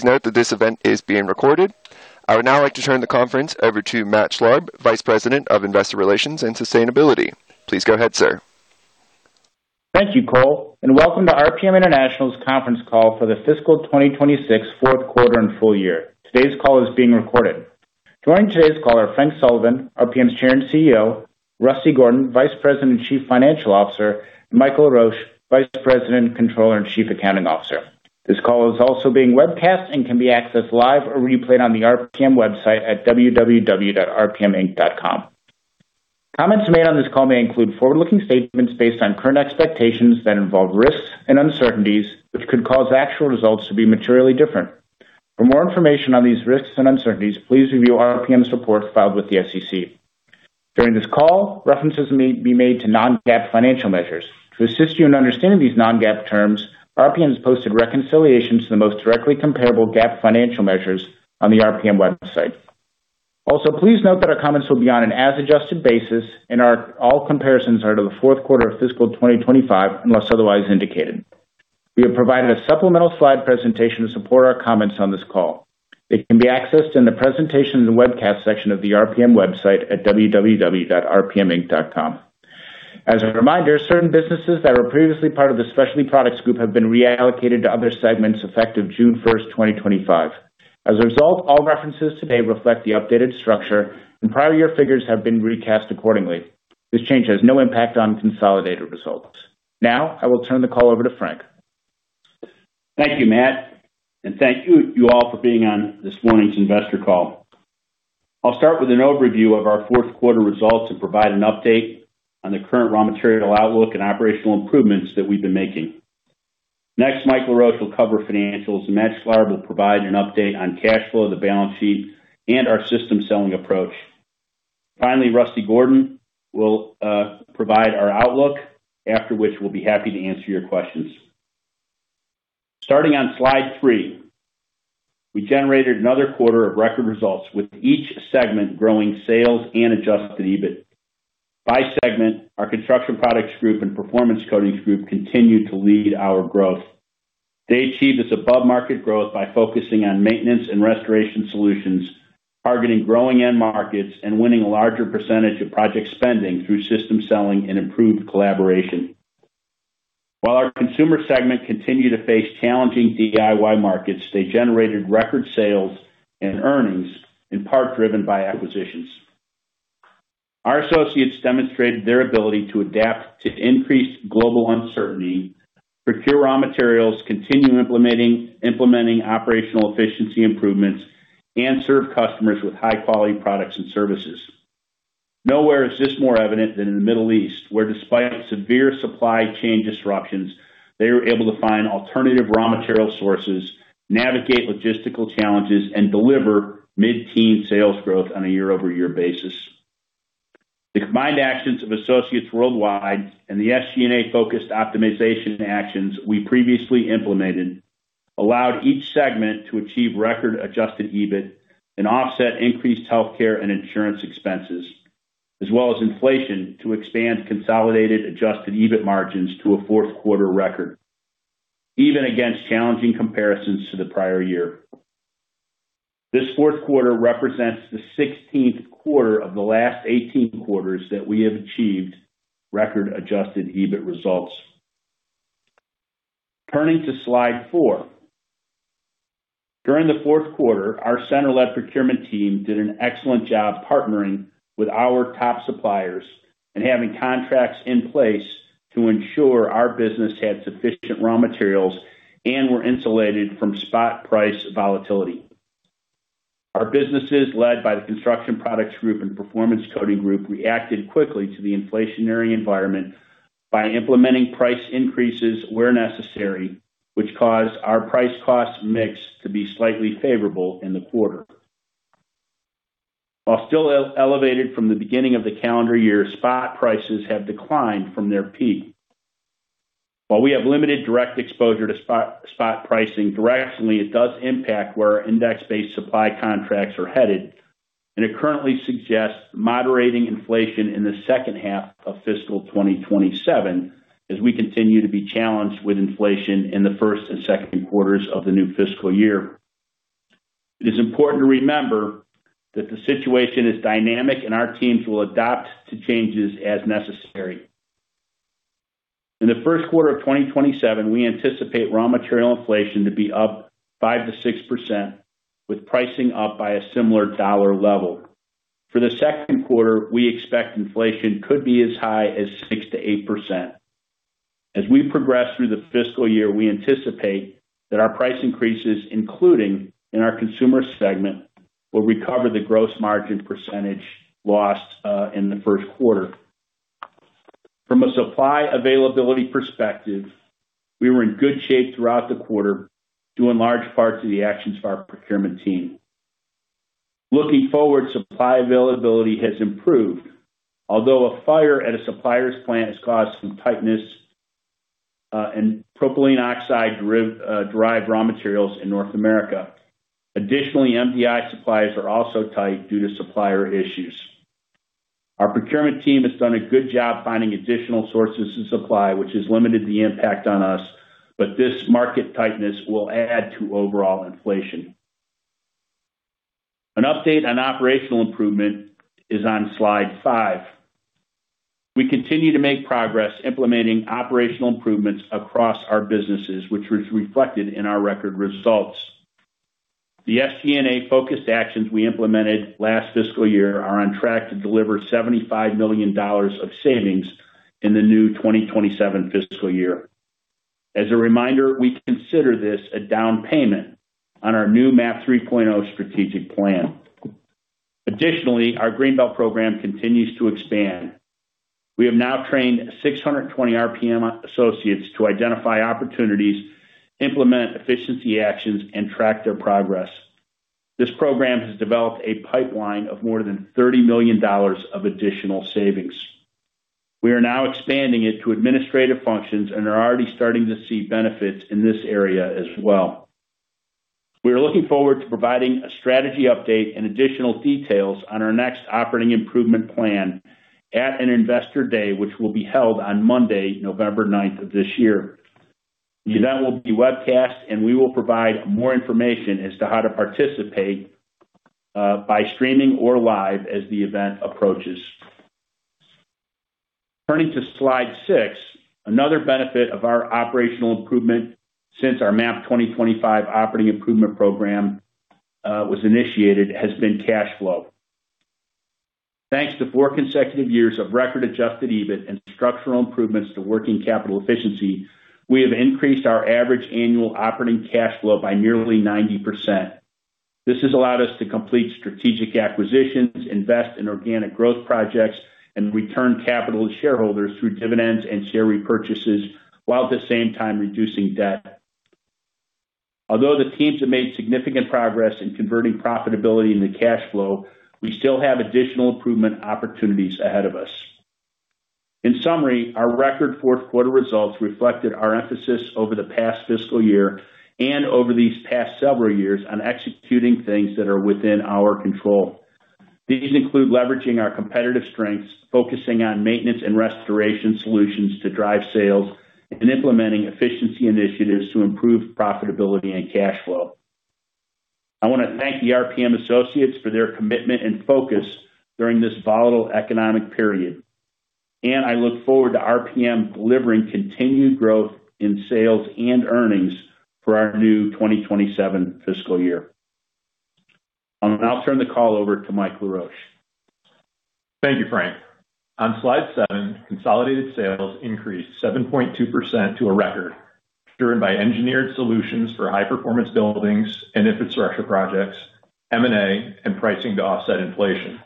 Please note that this event is being recorded. I would now like to turn the conference over to Matt Schlarb, Vice President of Investor Relations and Sustainability. Please go ahead, sir. Thank you, Cole, and welcome to RPM International's conference call for the fiscal 2026 fourth quarter and full year. Today's call is being recorded. Joining today's call are Frank Sullivan, RPM's Chair and CEO, Russell Gordon, Vice President and Chief Financial Officer, and Michael Laroche, Vice President, Controller, and Chief Accounting Officer. This call is also being webcast and can be accessed live or replayed on the RPM website at www.rpminc.com. Comments made on this call may include forward-looking statements based on current expectations that involve risks and uncertainties, which could cause actual results to be materially different. For more information on these risks and uncertainties, please review RPM's reports filed with the SEC. During this call, references may be made to non-GAAP financial measures. To assist you in understanding these non-GAAP terms, RPM's posted reconciliations to the most directly comparable GAAP financial measures on the RPM website. Please note that our comments will be on an as-adjusted basis, and all comparisons are to the fourth quarter of fiscal 2025, unless otherwise indicated. We have provided a supplemental slide presentation to support our comments on this call. It can be accessed in the Presentation and the Webcast section of the RPM website at www.rpminc.com. As a reminder, certain businesses that were previously part of the Specialty Products Group have been reallocated to other segments effective June 1st, 2025. As a result, all references today reflect the updated structure, and prior year figures have been recast accordingly. This change has no impact on consolidated results. Now, I will turn the call over to Frank. Thank you, Matt, and thank you all for being on this morning's investor call. I'll start with an overview of our fourth quarter results and provide an update on the current raw material outlook and operational improvements that we've been making. Next, Michael Laroche will cover financials, and Matt Schlarb will provide an update on cash flow, the balance sheet, and our system selling approach. Finally, Russell Gordon will provide our outlook, after which we'll be happy to answer your questions. Starting on slide three, we generated another quarter of record results with each segment growing sales and adjusted EBIT. By segment, our Construction Products Group and Performance Coatings Group continued to lead our growth. They achieved this above-market growth by focusing on maintenance and restoration solutions, targeting growing end markets, and winning a larger percentage of project spending through system selling and improved collaboration. While our consumer segment continued to face challenging DIY markets, they generated record sales and earnings, in part driven by acquisitions. Our associates demonstrated their ability to adapt to increased global uncertainty, procure raw materials, continue implementing operational efficiency improvements, and serve customers with high-quality products and services. Nowhere is this more evident than in the Middle East, where despite severe supply chain disruptions, they were able to find alternative raw material sources, navigate logistical challenges, and deliver mid-teen sales growth on a year-over-year basis. The combined actions of associates worldwide and the SG&A-focused optimization actions we previously implemented allowed each segment to achieve record adjusted EBIT and offset increased healthcare and insurance expenses, as well as inflation to expand consolidated adjusted EBIT margins to a fourth quarter record, even against challenging comparisons to the prior year. This fourth quarter represents the 16th quarter of the last 18th quarters that we have achieved record adjusted EBIT results. Turning to slide four. During the fourth quarter, our center-led procurement team did an excellent job partnering with our top suppliers and having contracts in place to ensure our business had sufficient raw materials and were insulated from spot price volatility. Our businesses, led by the Construction Products Group and Performance Coatings Group, reacted quickly to the inflationary environment by implementing price increases where necessary, which caused our price cost mix to be slightly favorable in the quarter. While still elevated from the beginning of the calendar year, spot prices have declined from their peak. While we have limited direct exposure to spot pricing, directionally, it does impact where our index-based supply contracts are headed, and it currently suggests moderating inflation in the second half of fiscal 2027, as we continue to be challenged with inflation in the first and second quarters of the new fiscal year. It is important to remember that the situation is dynamic, and our teams will adapt to changes as necessary. In the first quarter of 2027, we anticipate raw material inflation to be up 5%-6%, with pricing up by a similar dollar level. For the second quarter, we expect inflation could be as high as 6%-8%. As we progress through the fiscal year, we anticipate that our price increases, including in our consumer segment, will recover the gross margin percentage lost in the first quarter. From a supply availability perspective, we were in good shape throughout the quarter due in large part to the actions of our procurement team. Looking forward, supply availability has improved, although a fire at a supplier's plant has caused some tightness in propylene oxide-derived raw materials in North America. Additionally, MDI supplies are also tight due to supplier issues. Our procurement team has done a good job finding additional sources of supply, which has limited the impact on us, but this market tightness will add to overall inflation. An update on operational improvement is on slide five. We continue to make progress implementing operational improvements across our businesses, which was reflected in our record results. The SG&A-focused actions we implemented last fiscal year are on track to deliver $75 million of savings in the new 2027 fiscal year. As a reminder, we consider this a down payment on our new MAP 3.0 strategic plan. Additionally, our Green Belt program continues to expand. We have now trained 620 RPM associates to identify opportunities, implement efficiency actions, and track their progress. This program has developed a pipeline of more than $30 million of additional savings. We are now expanding it to administrative functions and are already starting to see benefits in this area as well. We are looking forward to providing a strategy update and additional details on our next operating improvement plan at an Investor Day, which will be held on Monday, November 9th of this year. The event will be webcast, and we will provide more information as to how to participate by streaming or live as the event approaches. Turning to slide six, another benefit of our operational improvement since our MAP 2025 operating improvement program was initiated has been cash flow. Thanks to four consecutive years of record adjusted EBIT and structural improvements to working capital efficiency, we have increased our average annual operating cash flow by nearly 90%. This has allowed us to complete strategic acquisitions, invest in organic growth projects, and return capital to shareholders through dividends and share repurchases, while at the same time reducing debt. Although the teams have made significant progress in converting profitability into cash flow, we still have additional improvement opportunities ahead of us. In summary, our record fourth quarter results reflected our emphasis over the past fiscal year and over these past several years on executing things that are within our control. These include leveraging our competitive strengths, focusing on maintenance and restoration solutions to drive sales, and implementing efficiency initiatives to improve profitability and cash flow. I want to thank the RPM associates for their commitment and focus during this volatile economic period, and I look forward to RPM delivering continued growth in sales and earnings for our new 2027 fiscal year. I'll now turn the call over to Mike Laroche. Thank you, Frank. On slide seven, consolidated sales increased 7.2% to a record, driven by engineered solutions for high-performance buildings and infrastructure projects, M&A, and pricing to offset inflation.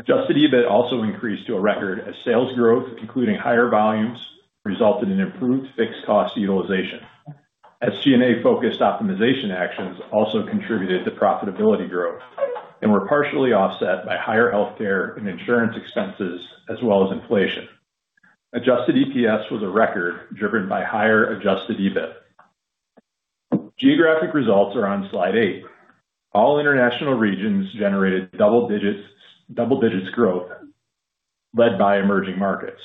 Adjusted EBIT also increased to a record as sales growth, including higher volumes, resulted in improved fixed cost utilization. SG&A-focused optimization actions also contributed to profitability growth and were partially offset by higher healthcare and insurance expenses, as well as inflation. Adjusted EPS was a record, driven by higher adjusted EBIT. Geographic results are on slide eight. All international regions generated double digits growth led by emerging markets.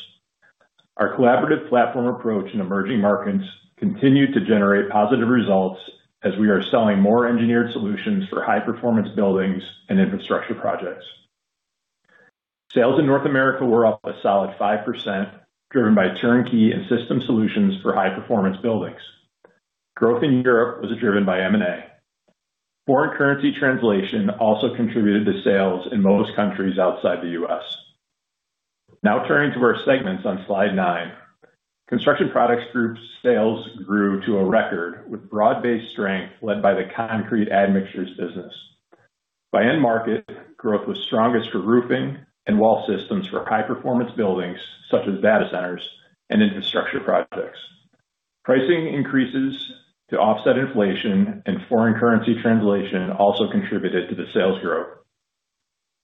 Our collaborative platform approach in emerging markets continued to generate positive results as we are selling more engineered solutions for high-performance buildings and infrastructure projects. Sales in North America were up a solid 5%, driven by turnkey and system solutions for high-performance buildings. Growth in Europe was driven by M&A. Foreign currency translation also contributed to sales in most countries outside the U.S. Now turning to our segments on slide nine. Construction Products Group's sales grew to a record with broad-based strength led by the concrete admixtures business. By end market, growth was strongest for roofing and wall systems for high-performance buildings, such as data centers and infrastructure projects. Pricing increases to offset inflation and foreign currency translation also contributed to the sales growth.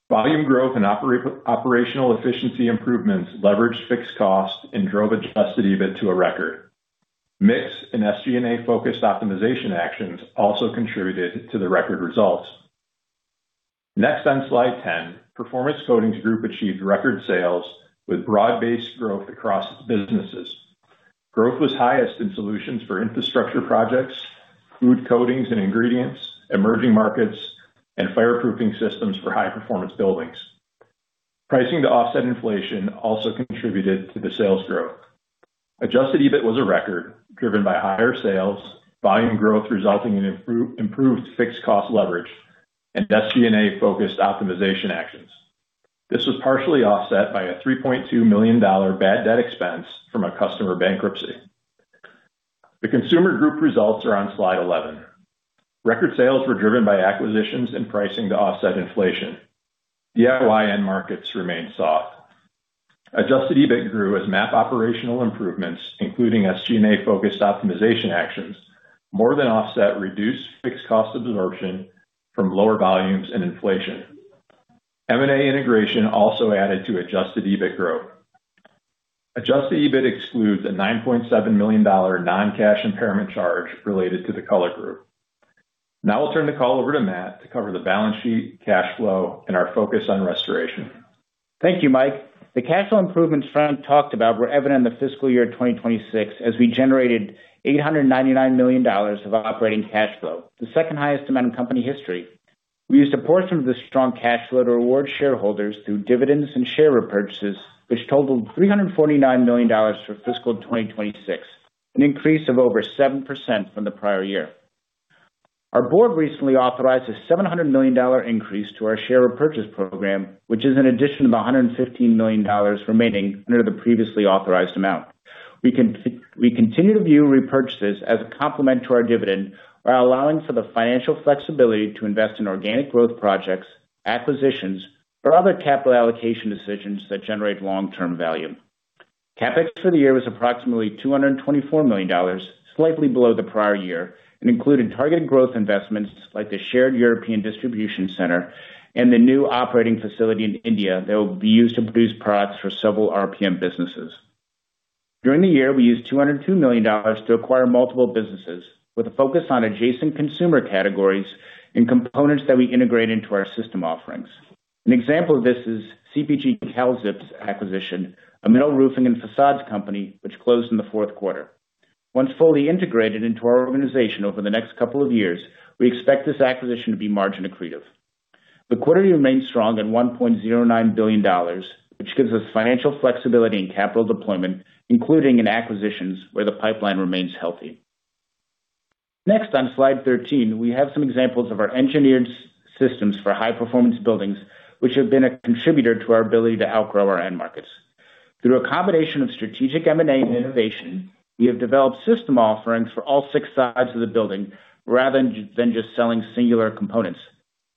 Volume growth and operational efficiency improvements leveraged fixed costs and drove adjusted EBIT to a record. Mix and SG&A-focused optimization actions also contributed to the record results. Next on slide 10, Performance Coatings Group achieved record sales with broad-based growth across businesses. Growth was highest in solutions for infrastructure projects, food coatings and ingredients, emerging markets, and fireproofing systems for high-performance buildings. Pricing to offset inflation also contributed to the sales growth. Adjusted EBIT was a record driven by higher sales, volume growth resulting in improved fixed cost leverage, and SG&A-focused optimization actions. This was partially offset by a $3.2 million bad debt expense from a customer bankruptcy. The Consumer Group results are on slide 11. Record sales were driven by acquisitions and pricing to offset inflation. DIY end markets remained soft. Adjusted EBIT grew as MAP operational improvements, including SG&A-focused optimization actions, more than offset reduced fixed cost absorption from lower volumes and inflation. M&A integration also added to adjusted EBIT growth. Adjusted EBIT excludes a $9.7 million non-cash impairment charge related to the Color Group. Now I'll turn the call over to Matt to cover the balance sheet, cash flow, and our focus on restoration. Thank you, Mike. The cash flow improvements Frank talked about were evident in the fiscal year 2026, as we generated $899 million of operating cash flow, the second highest amount in company history. We used a portion of the strong cash flow to reward shareholders through dividends and share repurchases, which totaled $349 million for fiscal 2026, an increase of over 7% from the prior year. Our board recently authorized a $700 million increase to our share repurchase program, which is an addition of $115 million remaining under the previously authorized amount. We continue to view repurchases as a complement to our dividend, while allowing for the financial flexibility to invest in organic growth projects, acquisitions, or other capital allocation decisions that generate long-term value. CapEx for the year was approximately $224 million, slightly below the prior year, and including targeted growth investments like the shared European distribution center and the new operating facility in India that will be used to produce products for several RPM businesses. During the year, we used $202 million to acquire multiple businesses with a focus on adjacent consumer categories and components that we integrate into our system offerings. An example of this is CPG Kalzip's acquisition, a metal roofing and facades company which closed in the fourth quarter. Once fully integrated into our organization over the next couple of years, we expect this acquisition to be margin accretive. The quarter remained strong at $1.09 billion, which gives us financial flexibility and capital deployment, including in acquisitions where the pipeline remains healthy. On slide 13, we have some examples of our engineered systems for high-performance buildings, which have been a contributor to our ability to outgrow our end markets. Through a combination of strategic M&A and innovation, we have developed system offerings for all six sides of the building rather than just selling singular components.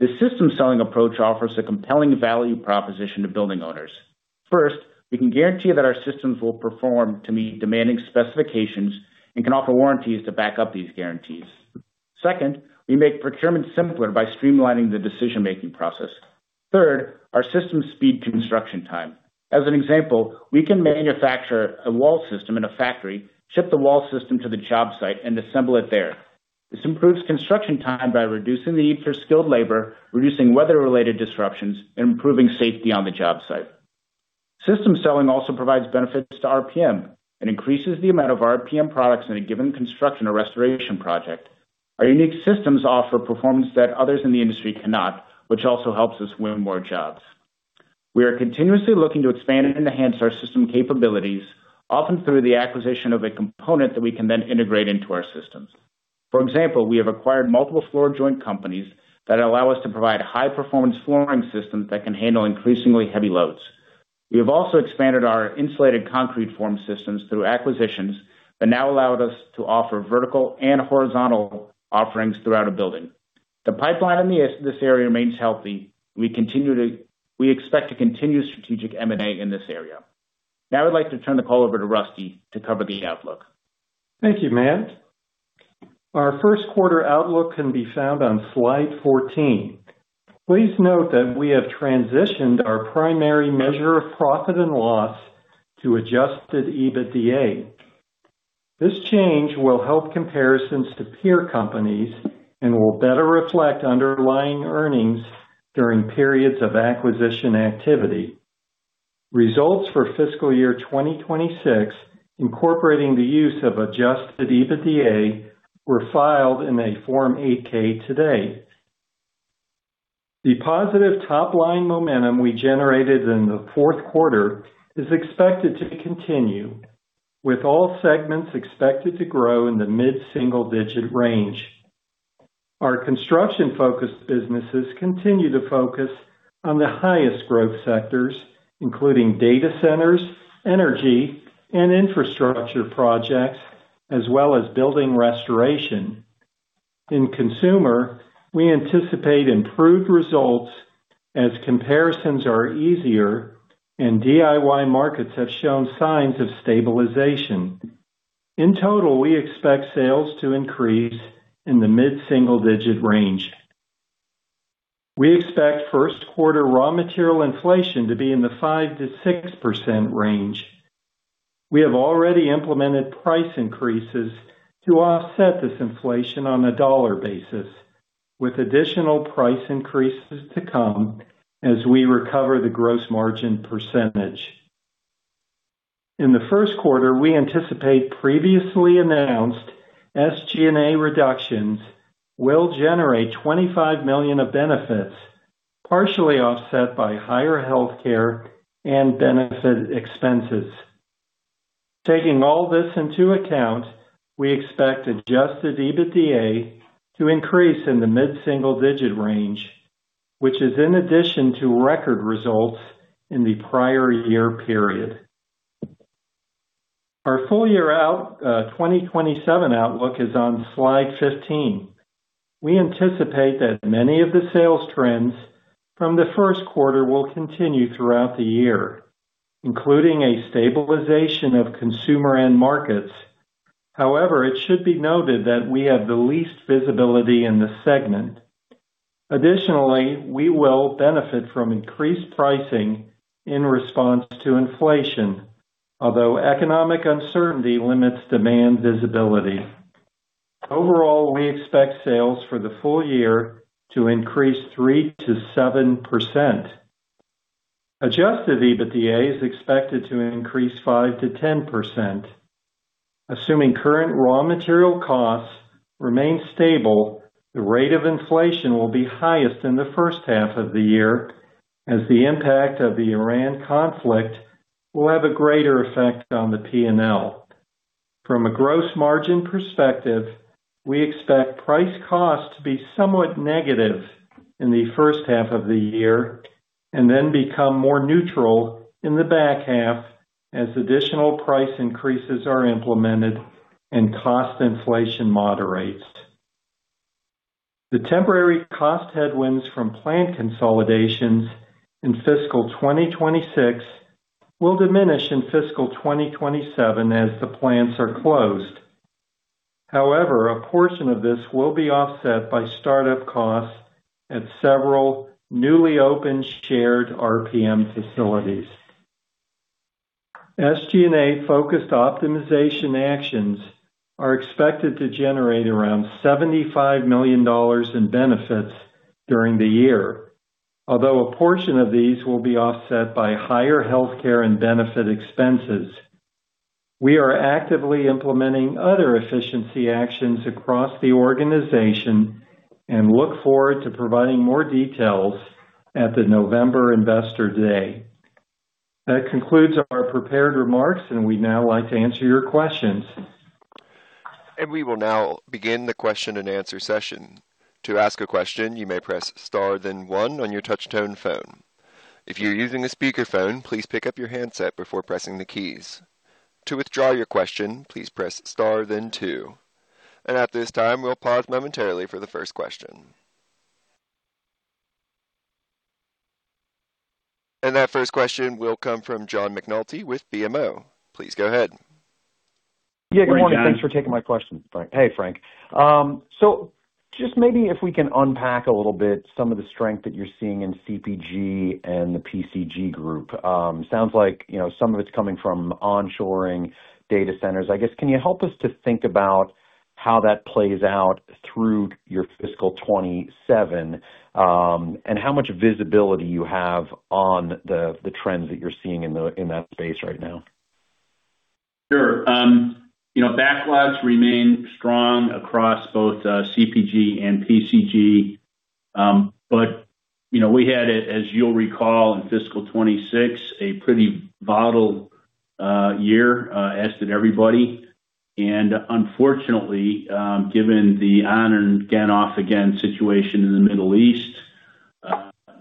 This system selling approach offers a compelling value proposition to building owners. First, we can guarantee that our systems will perform to meet demanding specifications and can offer warranties to back up these guarantees. Second, we make procurement simpler by streamlining the decision-making process. Third, our systems speed construction time. As an example, we can manufacture a wall system in a factory, ship the wall system to the job site, and assemble it there. This improves construction time by reducing the need for skilled labor, reducing weather-related disruptions, and improving safety on the job site. System selling also provides benefits to RPM and increases the amount of RPM products in a given construction or restoration project. Our unique systems offer performance that others in the industry cannot, which also helps us win more jobs. We are continuously looking to expand and enhance our system capabilities, often through the acquisition of a component that we can then integrate into our systems. For example, we have acquired multiple floor joint companies that allow us to provide high-performance flooring systems that can handle increasingly heavy loads. We have also expanded our insulated concrete form systems through acquisitions that now allowed us to offer vertical and horizontal offerings throughout a building. The pipeline in this area remains healthy. We expect to continue strategic M&A in this area. I'd like to turn the call over to Russell to cover the outlook. Thank you, Matt. Our first quarter outlook can be found on slide 14. Please note that we have transitioned our primary measure of profit and loss to adjusted EBITDA. This change will help comparisons to peer companies and will better reflect underlying earnings during periods of acquisition activity. Results for fiscal year 2026, incorporating the use of adjusted EBITDA, were filed in a Form 8-K today. The positive top-line momentum we generated in the fourth quarter is expected to continue, with all segments expected to grow in the mid-single-digit range. Our construction-focused businesses continue to focus on the highest growth sectors, including data centers, energy, and infrastructure projects, as well as building restoration. In Consumer, we anticipate improved results as comparisons are easier and DIY markets have shown signs of stabilization. In total, we expect sales to increase in the mid-single-digit range. We expect first quarter raw material inflation to be in the 5%-6% range. We have already implemented price increases to offset this inflation on a dollar basis, with additional price increases to come as we recover the gross margin percentage. In the first quarter, we anticipate previously announced SG&A reductions will generate $25 million of benefits, partially offset by higher healthcare and benefit expenses. Taking all this into account, we expect adjusted EBITDA to increase in the mid-single-digit range, which is in addition to record results in the prior year period. Our full year 2027 outlook is on slide 15. We anticipate that many of the sales trends from the first quarter will continue throughout the year, including a stabilization of Consumer end markets. However, it should be noted that we have the least visibility in this segment. We will benefit from increased pricing in response to inflation, although economic uncertainty limits demand visibility. Overall, we expect sales for the full year to increase 3%-7%. Adjusted EBITDA is expected to increase 5%-10%. Assuming current raw material costs remain stable, the rate of inflation will be highest in the first half of the year, as the impact of the Iran conflict will have a greater effect on the P&L. From a gross margin perspective, we expect price cost to be somewhat negative in the first half of the year, and then become more neutral in the back half as additional price increases are implemented and cost inflation moderates. The temporary cost headwinds from plant consolidations in fiscal 2026 will diminish in fiscal 2027 as the plants are closed. However, a portion of this will be offset by start-up costs at several newly opened shared RPM facilities. SG&A-focused optimization actions are expected to generate around $75 million in benefits during the year. A portion of these will be offset by higher healthcare and benefit expenses. We are actively implementing other efficiency actions across the organization and look forward to providing more details at the November Investor Day. That concludes our prepared remarks, and we'd now like to answer your questions. We will now begin the question and answer session. To ask a question, you may press star then one on your touch tone phone. If you are using a speakerphone, please pick up your handset before pressing the keys. To withdraw your question, please press star then two. At this time, we'll pause momentarily for the first question. That first question will come from John McNulty with BMO. Please go ahead. Yeah. Good morning, John. Thanks for taking my question, Frank. Hey, Frank. Just maybe if we can unpack a little bit some of the strength that you're seeing in CPG and the PCG Group. Sounds like some of it's coming from onshoring data centers. I guess, can you help us to think about how that plays out through your fiscal 2027, and how much visibility you have on the trends that you're seeing in that space right now? Sure. Backlogs remain strong across both CPG and PCG. We had, as you'll recall, in fiscal 2026, a pretty volatile year, as did everybody. Unfortunately, given the on-again off-again situation in the Middle East,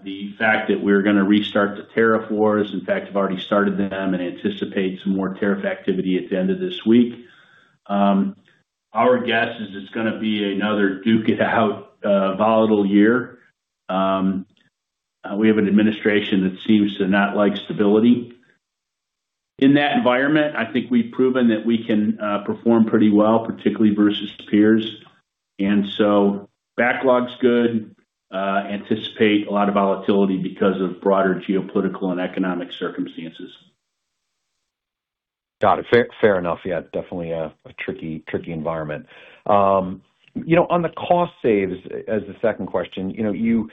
the fact that we're going to restart the tariff wars, in fact, have already started them, and anticipate some more tariff activity at the end of this week. Our guess is it's going to be another duke it out, volatile year. We have an administration that seems to not like stability. In that environment, I think we've proven that we can perform pretty well, particularly versus peers. Backlogs good. Anticipate a lot of volatility because of broader geopolitical and economic circumstances. Got it. Fair enough. Yeah, definitely a tricky environment. On the cost saves, as a second question. You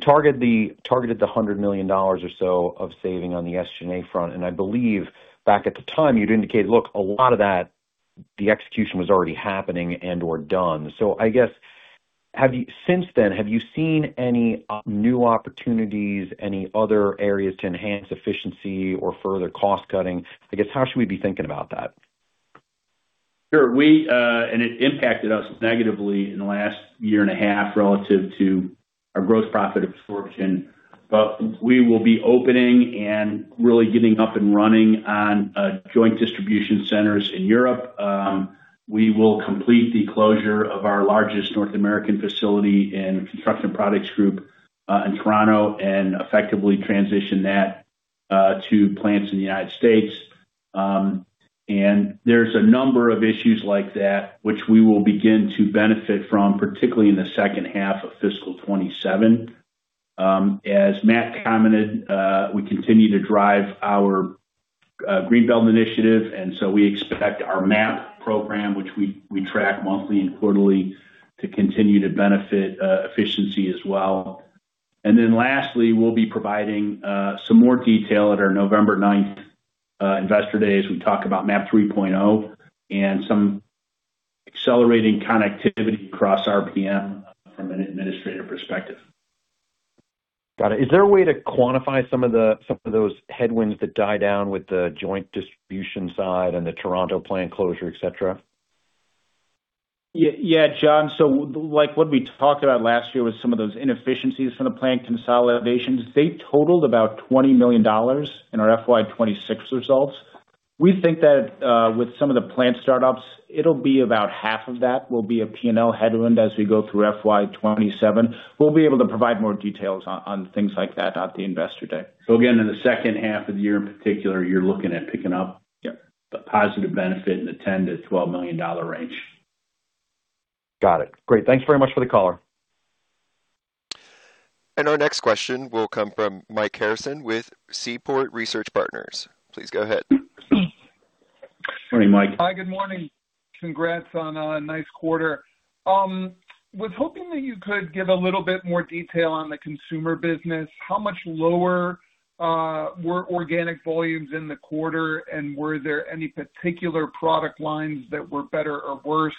targeted the $100 million or so of saving on the SG&A front, and I believe back at the time you'd indicated, look, a lot of that, the execution was already happening and/or done. I guess, since then, have you seen any new opportunities, any other areas to enhance efficiency or further cost cutting? I guess, how should we be thinking about that? Sure. It impacted us negatively in the last year and a half relative to our gross profit absorption. We will be opening and really getting up and running on joint distribution centers in Europe. We will complete the closure of our largest North American facility in Construction Products Group, in Toronto, and effectively transition that to plants in the U.S. There's a number of issues like that which we will begin to benefit from, particularly in the second half of fiscal 2027. As Matt commented, we continue to drive our Green Belt initiative, we expect our MAP program, which we track monthly and quarterly, to continue to benefit efficiency as well. Lastly, we'll be providing some more detail at our November 9th Investor Day as we talk about MAP 3.0 and some accelerating connectivity across RPM from an administrative perspective. Got it. Is there a way to quantify some of those headwinds that die down with the joint distribution side and the Toronto plant closure, et cetera? Yeah, John. Like what we talked about last year with some of those inefficiencies from the plant consolidations, they totaled about $20 million in our FY 2026 results. We think that, with some of the plant startups, it'll be about half of that will be a P&L headwind as we go through FY 2027. We'll be able to provide more details on things like that at the Investor Day. Again, in the second half of the year in particular, you're looking at picking up- Yep the positive benefit in the $10 to $12 million range. Got it. Great. Thanks very much for the color. Our next question will come from Michael Harrison with Seaport Research Partners. Please go ahead. Morning, Mike. Hi, good morning. Congrats on a nice quarter. Was hoping that you could give a little bit more detail on the consumer business. How much lower were organic volumes in the quarter, and were there any particular product lines that were better or worse?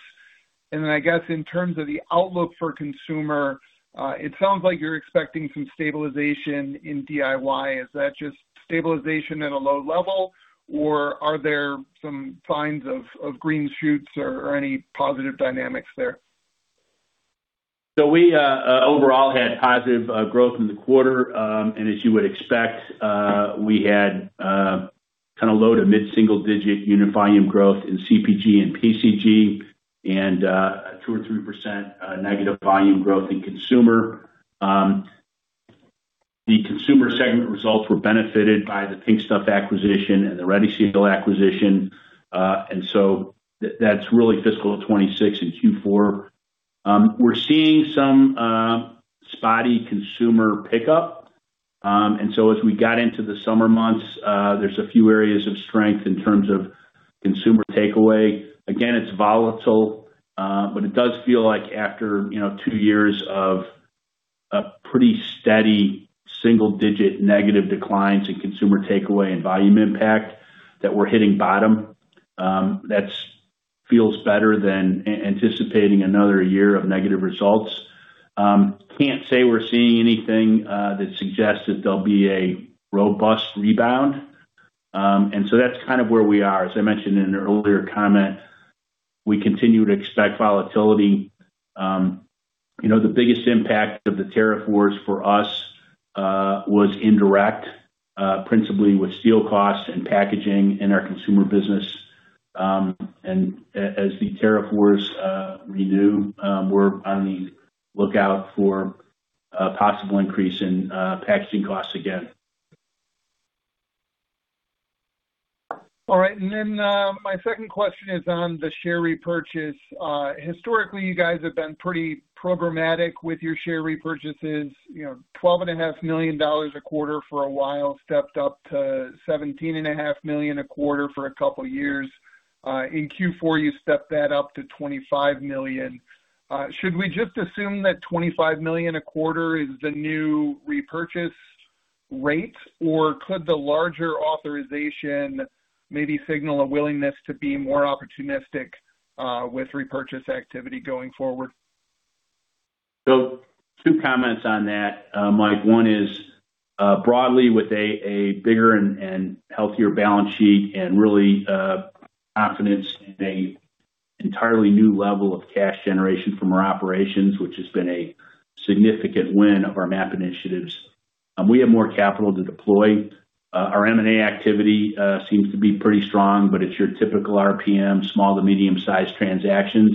I guess, in terms of the outlook for consumer, it sounds like you're expecting some stabilization in DIY. Is that just stabilization at a low level, or are there some signs of green shoots or any positive dynamics there? We, overall, had positive growth in the quarter. As you would expect, we had kind of low to mid-single-digit unit volume growth in CPG and PCG and a 2% or 3% negative volume growth in Consumer. The Consumer segment results were benefited by The Pink Stuff acquisition and the Ready Seal acquisition. That's really fiscal 2026 in Q4. We're seeing some spotty consumer pickup. As we got into the summer months, there's a few areas of strength in terms of consumer takeaway. Again, it's volatile, but it does feel like after two years of a pretty steady single-digit negative declines in consumer takeaway and volume impact, that we're hitting bottom. That feels better than anticipating another year of negative results. Can't say we're seeing anything that suggests that there'll be a robust rebound. That's kind of where we are. As I mentioned in an earlier comment, we continue to expect volatility. The biggest impact of the tariff wars for us was indirect, principally with steel costs and packaging in our Consumer business. As the tariff wars renew, we're on the lookout for a possible increase in packaging costs again. All right. Then, my second question is on the share repurchase. Historically, you guys have been pretty programmatic with your share repurchases. $12.5 million a quarter for a while, stepped up to $17.5 million a quarter for a couple of years. In Q4, you stepped that up to $25 million. Should we just assume that $25 million a quarter is the new repurchase rate, or could the larger authorization maybe signal a willingness to be more opportunistic with repurchase activity going forward? Two comments on that, Mike. One is, broadly with a bigger and healthier balance sheet and really confidence in an entirely new level of cash generation from our operations, which has been a significant win of our MAP initiatives. We have more capital to deploy. Our M&A activity seems to be pretty strong, but it's your typical RPM, small to medium-sized transactions.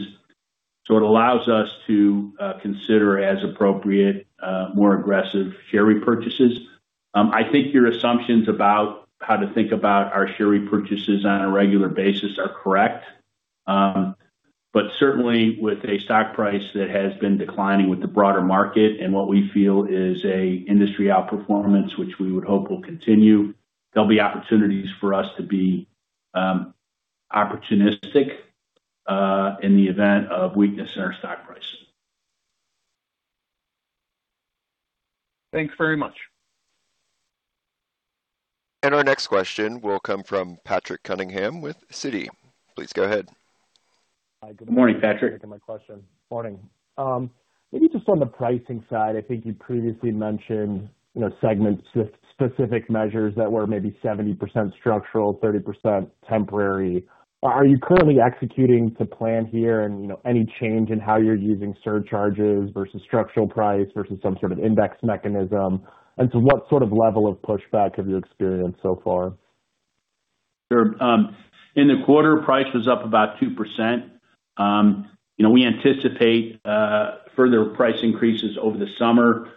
It allows us to consider, as appropriate, more aggressive share repurchases. I think your assumptions about how to think about our share repurchases on a regular basis are correct. Certainly with a stock price that has been declining with the broader market and what we feel is an industry outperformance, which we would hope will continue, there'll be opportunities for us to be opportunistic in the event of weakness in our stock pricing. Thanks very much. Our next question will come from Patrick Cunningham with Citigroup. Please go ahead. Morning, Patrick. Thanks for taking my question. Morning. Maybe just on the pricing side, I think you previously mentioned segment-specific measures that were maybe 70% structural, 30% temporary. Are you currently executing to plan here? Any change in how you're using surcharges versus structural price versus some sort of index mechanism? What sort of level of pushback have you experienced so far? Sure. In the quarter, price was up about 2%. We anticipate further price increases over the summer,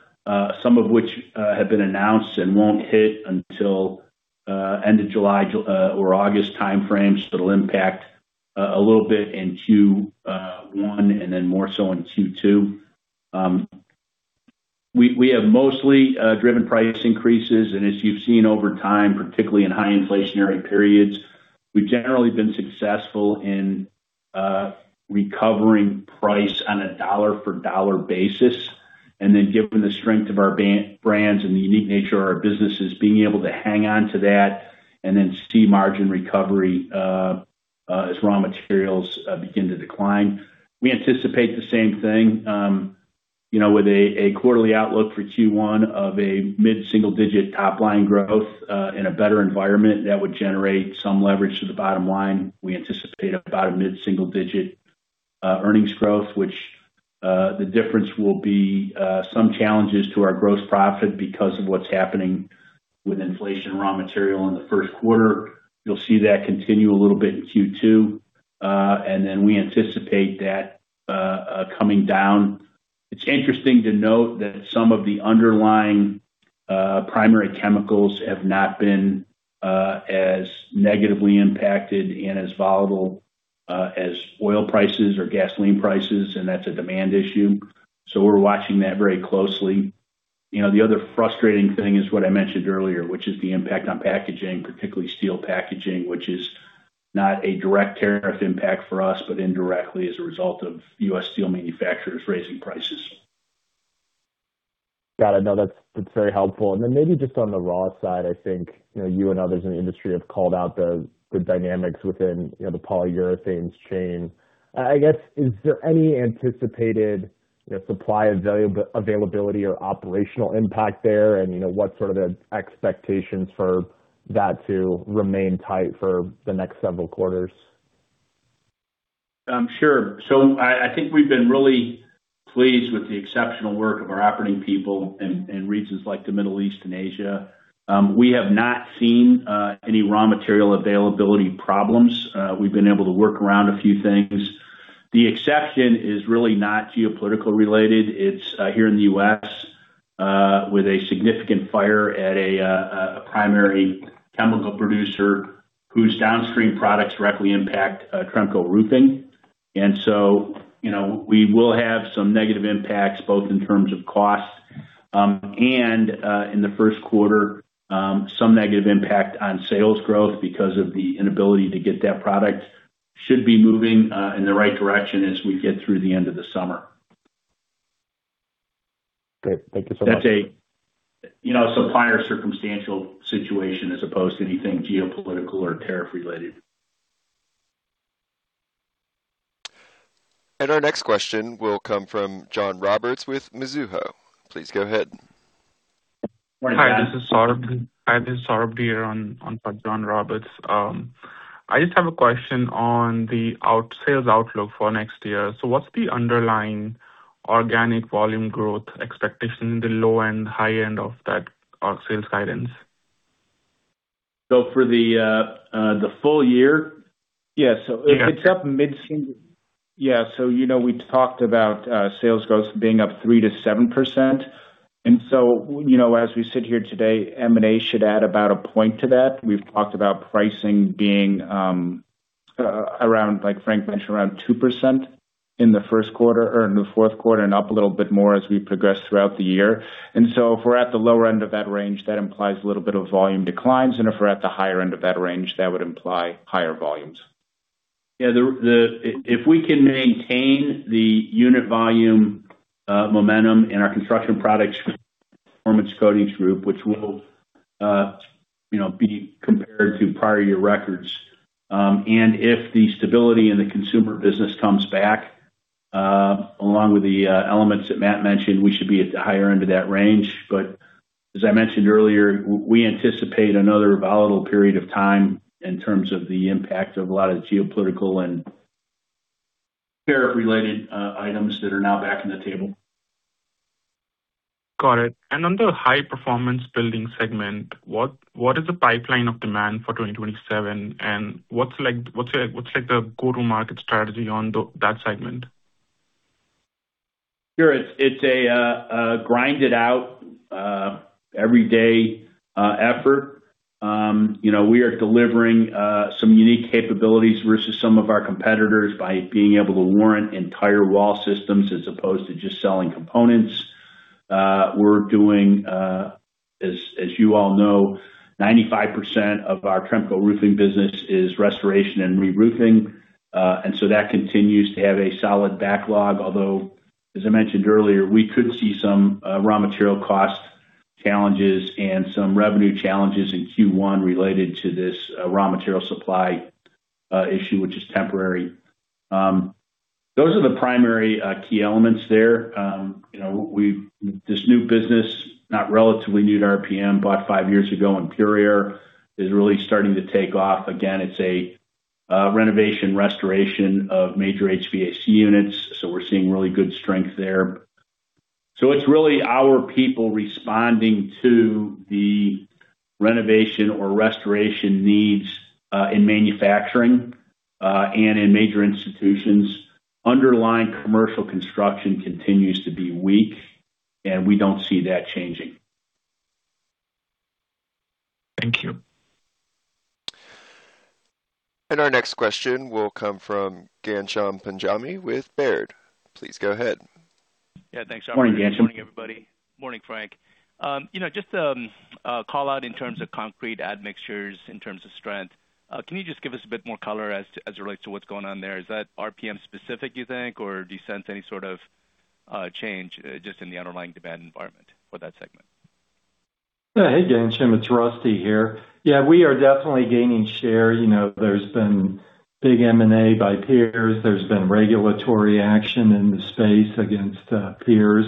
some of which have been announced and won't hit until end of July or August timeframe. It'll impact a little bit in Q1 and then more so in Q2. We have mostly driven price increases, and as you've seen over time, particularly in high inflationary periods, we've generally been successful in recovering price on a dollar-for-dollar basis. Given the strength of our brands and the unique nature of our businesses, being able to hang on to that and then see margin recovery as raw materials begin to decline. We anticipate the same thing. With a quarterly outlook for Q1 of a mid-single digit top-line growth in a better environment, that would generate some leverage to the bottom line. We anticipate about a mid-single digit earnings growth, which the difference will be some challenges to our gross profit because of what's happening with inflation raw material in the first quarter. You'll see that continue a little in Q2. We anticipate that coming down. It's interesting to note that some of the underlying primary chemicals have not been as negatively impacted and as volatile as oil prices or gasoline prices. That's a demand issue we're watching that very closely the other frustrating thing is what I mentioned earlier, which is the impact on packaging, particularly steel packaging, which is not a direct tariff impact for us, but indirectly as a result of U.S. steel manufacturers raising prices. Got it. No, that's very helpful. Maybe just on the raw side, I think, you and others in the industry have called out the dynamics within the polyurethanes chain. I guess, is there any anticipated supply availability or operational impact there? What sort of expectations for that to remain tight for the next several quarters? Sure. I think we've been really pleased with the exceptional work of our operating people in regions like the Middle East and Asia. We have not seen any raw material availability problems. We've been able to work around a few things. The exception is really not geopolitical related. It's here in the U.S., with a significant fire at a primary chemical producer whose downstream products directly impact Tremco Roofing. We will have some negative impacts, both in terms of cost. In the first quarter, some negative impact on sales growth because of the inability to get that product. Should be moving in the right direction as we get through the end of the summer. Great. Thank you so much. That's a supplier circumstantial situation as opposed to anything geopolitical or tariff related. Our next question will come from John Roberts with Mizuho. Please go ahead. Morning, John. Hi, this is Saurabh Dhir on for John Roberts. I just have a question on the sales outlook for next year. What's the underlying organic volume growth expectation in the low and high end of that sales guidance? For the full year? Yeah. It's up mid-single. Yeah. We talked about sales growth being up 3%-7%. M&A should add about a point to that. We've talked about pricing being around, like Frank mentioned, around 2% in the first quarter or in the fourth quarter, and up a little bit more as we progress throughout the year. If we're at the lower end of that range, that implies a little bit of volume declines, and if we're at the higher end of that range, that would imply higher volumes. Yeah. If we can maintain the unit volume momentum in our construction products Performance Coatings Group, which will be compared to prior year records. If the stability in the consumer business comes back, along with the elements that Matt mentioned, we should be at the higher end of that range. As I mentioned earlier, we anticipate another volatile period of time in terms of the impact of a lot of the geopolitical and tariff related items that are now back on the table. Got it. On the high performance building segment, what is the pipeline of demand for 2027, what's the go-to market strategy on that segment? Sure. It's a grind it out, everyday effort. We are delivering some unique capabilities versus some of our competitors by being able to warrant entire wall systems as opposed to just selling components. We're doing, as you all know, 95% of our Tremco Roofing business is restoration and reroofing. That continues to have a solid backlog. Although, as I mentioned earlier, we could see some raw material cost challenges and some revenue challenges in Q1 related to this raw material supply issue, which is temporary. Those are the primary key elements there. This new business, not relatively new to RPM, bought five years ago, Imperial, is really starting to take off again. It's a renovation restoration of major HVAC units, we're seeing really good strength there. It's really our people responding to the renovation or restoration needs in manufacturing, and in major institutions. Underlying commercial construction continues to be weak, we don't see that changing. Thank you. Our next question will come from Ghansham Panjabi with Baird. Please go ahead. Morning, Ghansham. Thanks, operator. Morning, everybody. Morning, Frank. Just a call out in terms of concrete admixtures, in terms of strength. Can you just give us a bit more color as it relates to what's going on there? Is that RPM specific, you think, or do you sense any sort of change just in the underlying demand environment for that segment? Hey, Ghansham, it's Russell here. We are definitely gaining share there's been big M&A by peers, there's been regulatory action in the space against peers.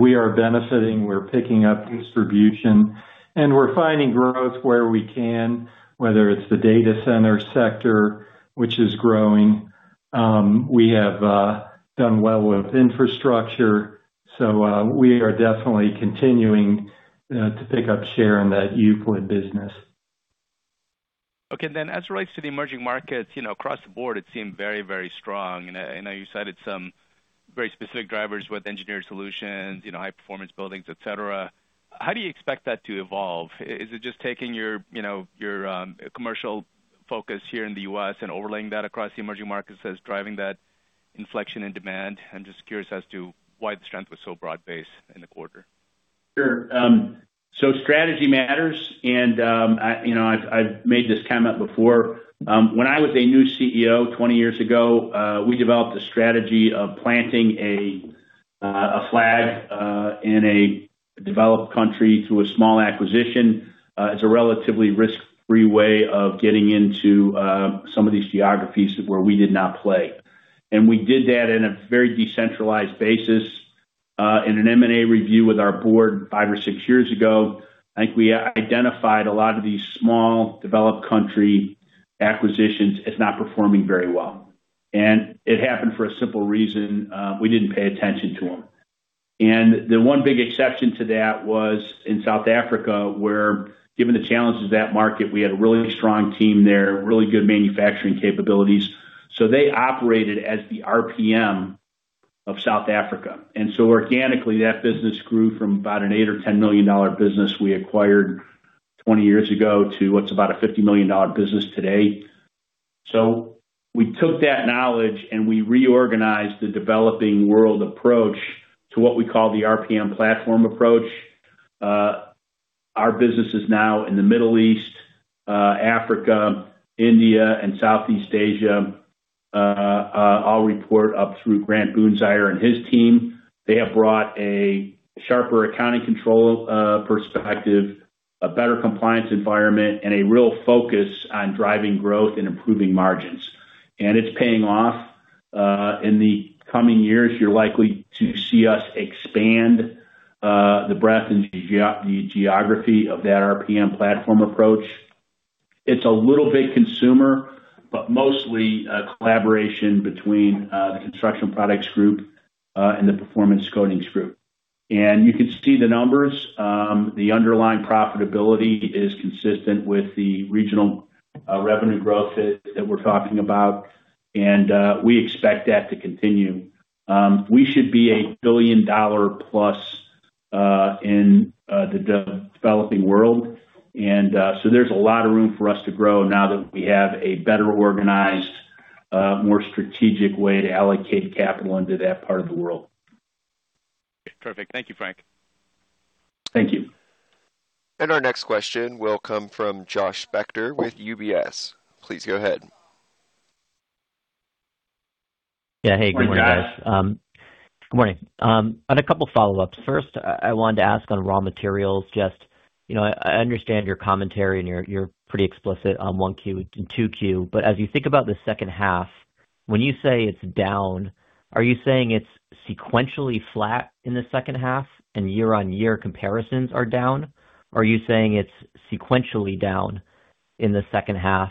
We are benefiting we're picking up distribution and we're finding growth where we can, whether it's the data center sector, which is growing. We have done well with infrastructure. We are definitely continuing to pick up share in that Euclid Chemical business. As it relates to the emerging markets, across the board, it seemed very, very strong. I know you cited some very specific drivers with engineered solutions, high performance buildings, et cetera. How do you expect that to evolve? Is it just taking your commercial focus here in the U.S. and overlaying that across the emerging markets as driving that inflection in demand? I'm just curious as to why the strength was so broad-based in the quarter. Sure. Strategy matters, and I've made this comment before. When I was a new CEO 20 years ago, we developed a strategy of planting a flag in a developed country through a small acquisition. It's a relatively risk-free way of getting into some of these geographies where we did not play. We did that in a very decentralized basis. In an M&A review with our board five or six years ago, I think we identified a lot of these small developed country acquisitions as not performing very well. It happened for a simple reason, we didn't pay attention to them. The one big exception to that was in South Africa, where, given the challenges of that market, we had a really strong team there, really good manufacturing capabilities. They operated as the RPM of South Africa. Organically, that business grew from about an $8 million or $10 million business we acquired 20 years ago to what's about a $50 million business today. We took that knowledge, and we reorganized the developing world approach to what we call the RPM platform approach. Our business is now in the Middle East, Africa, India, and Southeast Asia. I'll report up through Grant Boonzaier and his team. They have brought a sharper accounting control perspective, a better compliance environment, a real focus on driving growth and improving margins, and it's paying off. In the coming years, you're likely to see us expand the breadth and the geography of that RPM platform approach. It's a little bit consumer, but mostly a collaboration between the Construction Products Group and the Performance Coatings Group. You can see the numbers. The underlying profitability is consistent with the regional revenue growth that we're talking about, and we expect that to continue. We should be a billion-dollar plus in the developing world. So there's a lot of room for us to grow now that we have a better organized, more strategic way to allocate capital into that part of the world. Perfect. Thank you, Frank. Thank you. Our next question will come from Josh Spector with UBS. Please go ahead. Yeah. Hey, good morning, guys. Morning, Josh. Good morning. I have a couple follow-ups. First, I wanted to ask on raw materials. Just I understand your commentary, and you're pretty explicit on 1Q and 2Q, but as you think about the second half, when you say it's down, are you saying it's sequentially flat in the second half and year-on-year comparisons are down? Are you saying it's sequentially down in the second half?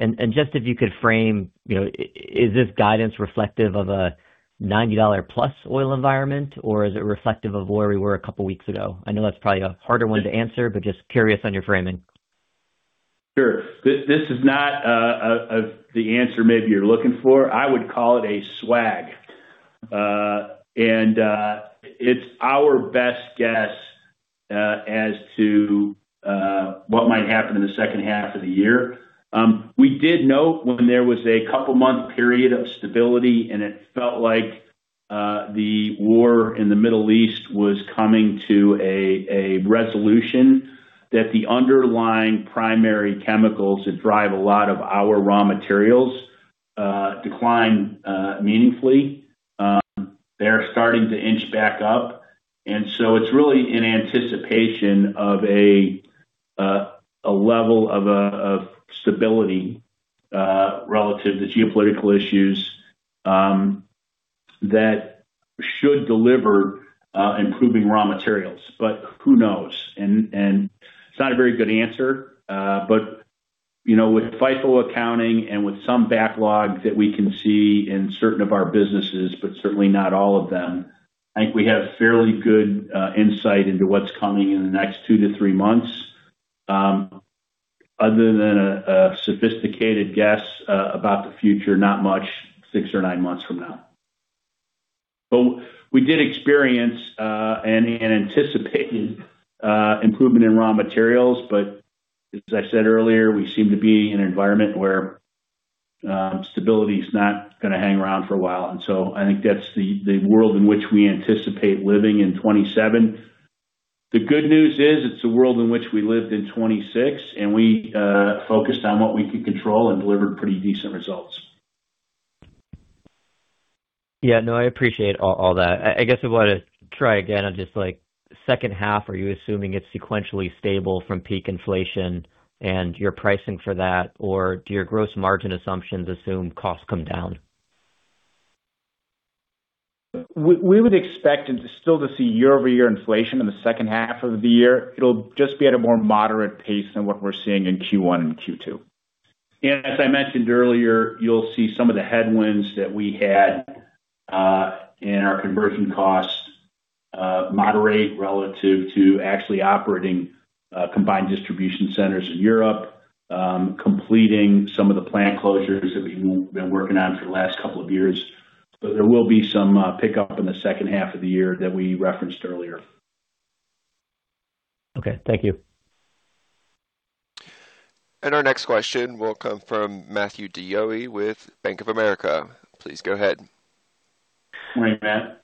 Just if you could frame, is this guidance reflective of a $90+ oil environment, or is it reflective of where we were a couple of weeks ago? I know that's probably a harder one to answer, just curious on your framing. Sure. This is not the answer maybe you're looking for. I would call it a swag. It's our best guess as to what might happen in the second half of the year. We did note when there was a couple of month period of stability, and it felt like the war in the Middle East was coming to a resolution, that the underlying primary chemicals that drive a lot of our raw materials declined meaningfully. They're starting to inch back up. It's really in anticipation of a level of stability relative to geopolitical issues that should deliver improving raw materials. Who knows? It's not a very good answer. With FIFO accounting and with some backlog that we can see in certain of our businesses, but certainly not all of them, I think we have fairly good insight into what's coming in the next two to three months. Other than a sophisticated guess about the future, not much six or nine months from now. We did experience an anticipated improvement in raw materials. As I said earlier, we seem to be in an environment where stability is not gonna hang around for a while. I think that's the world in which we anticipate living in 2027. The good news is, it's the world in which we lived in 2026, and we focused on what we could control and delivered pretty decent results. Yeah, no, I appreciate all that. I guess I want to try again on just like second half, are you assuming it's sequentially stable from peak inflation and you're pricing for that? Or do your gross margin assumptions assume costs come down? We would expect still to see year-over-year inflation in the second half of the year. It'll just be at a more moderate pace than what we're seeing in Q1 and Q2. As I mentioned earlier, you'll see some of the headwinds that we had in our conversion costs Moderate relative to actually operating combined distribution centers in Europe, completing some of the plant closures that we've been working on for the last couple of years. There will be some pickup in the second half of the year that we referenced earlier. Okay, thank you. Our next question will come from Matthew DeYoe with Bank of America. Please go ahead. Morning, Matt.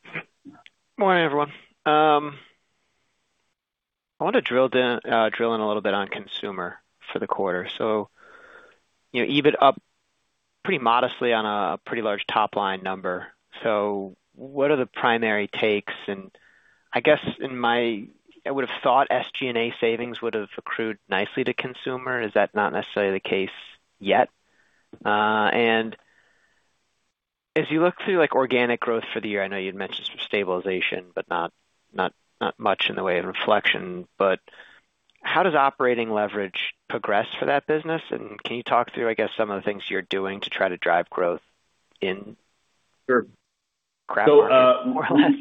Morning, everyone. I want to drill in a little bit on Consumer for the quarter. EBIT up pretty modestly on a pretty large top-line number. What are the primary takes? I guess I would have thought SG&A savings would have accrued nicely to Consumer Group. Is that not necessarily the case yet? As you look through organic growth for the year, I know you'd mentioned some stabilization, but not much in the way of reflection, but how does operating leverage progress for that business? Can you talk through, I guess, some of the things you're doing to try to drive growth in your craft market, more or less?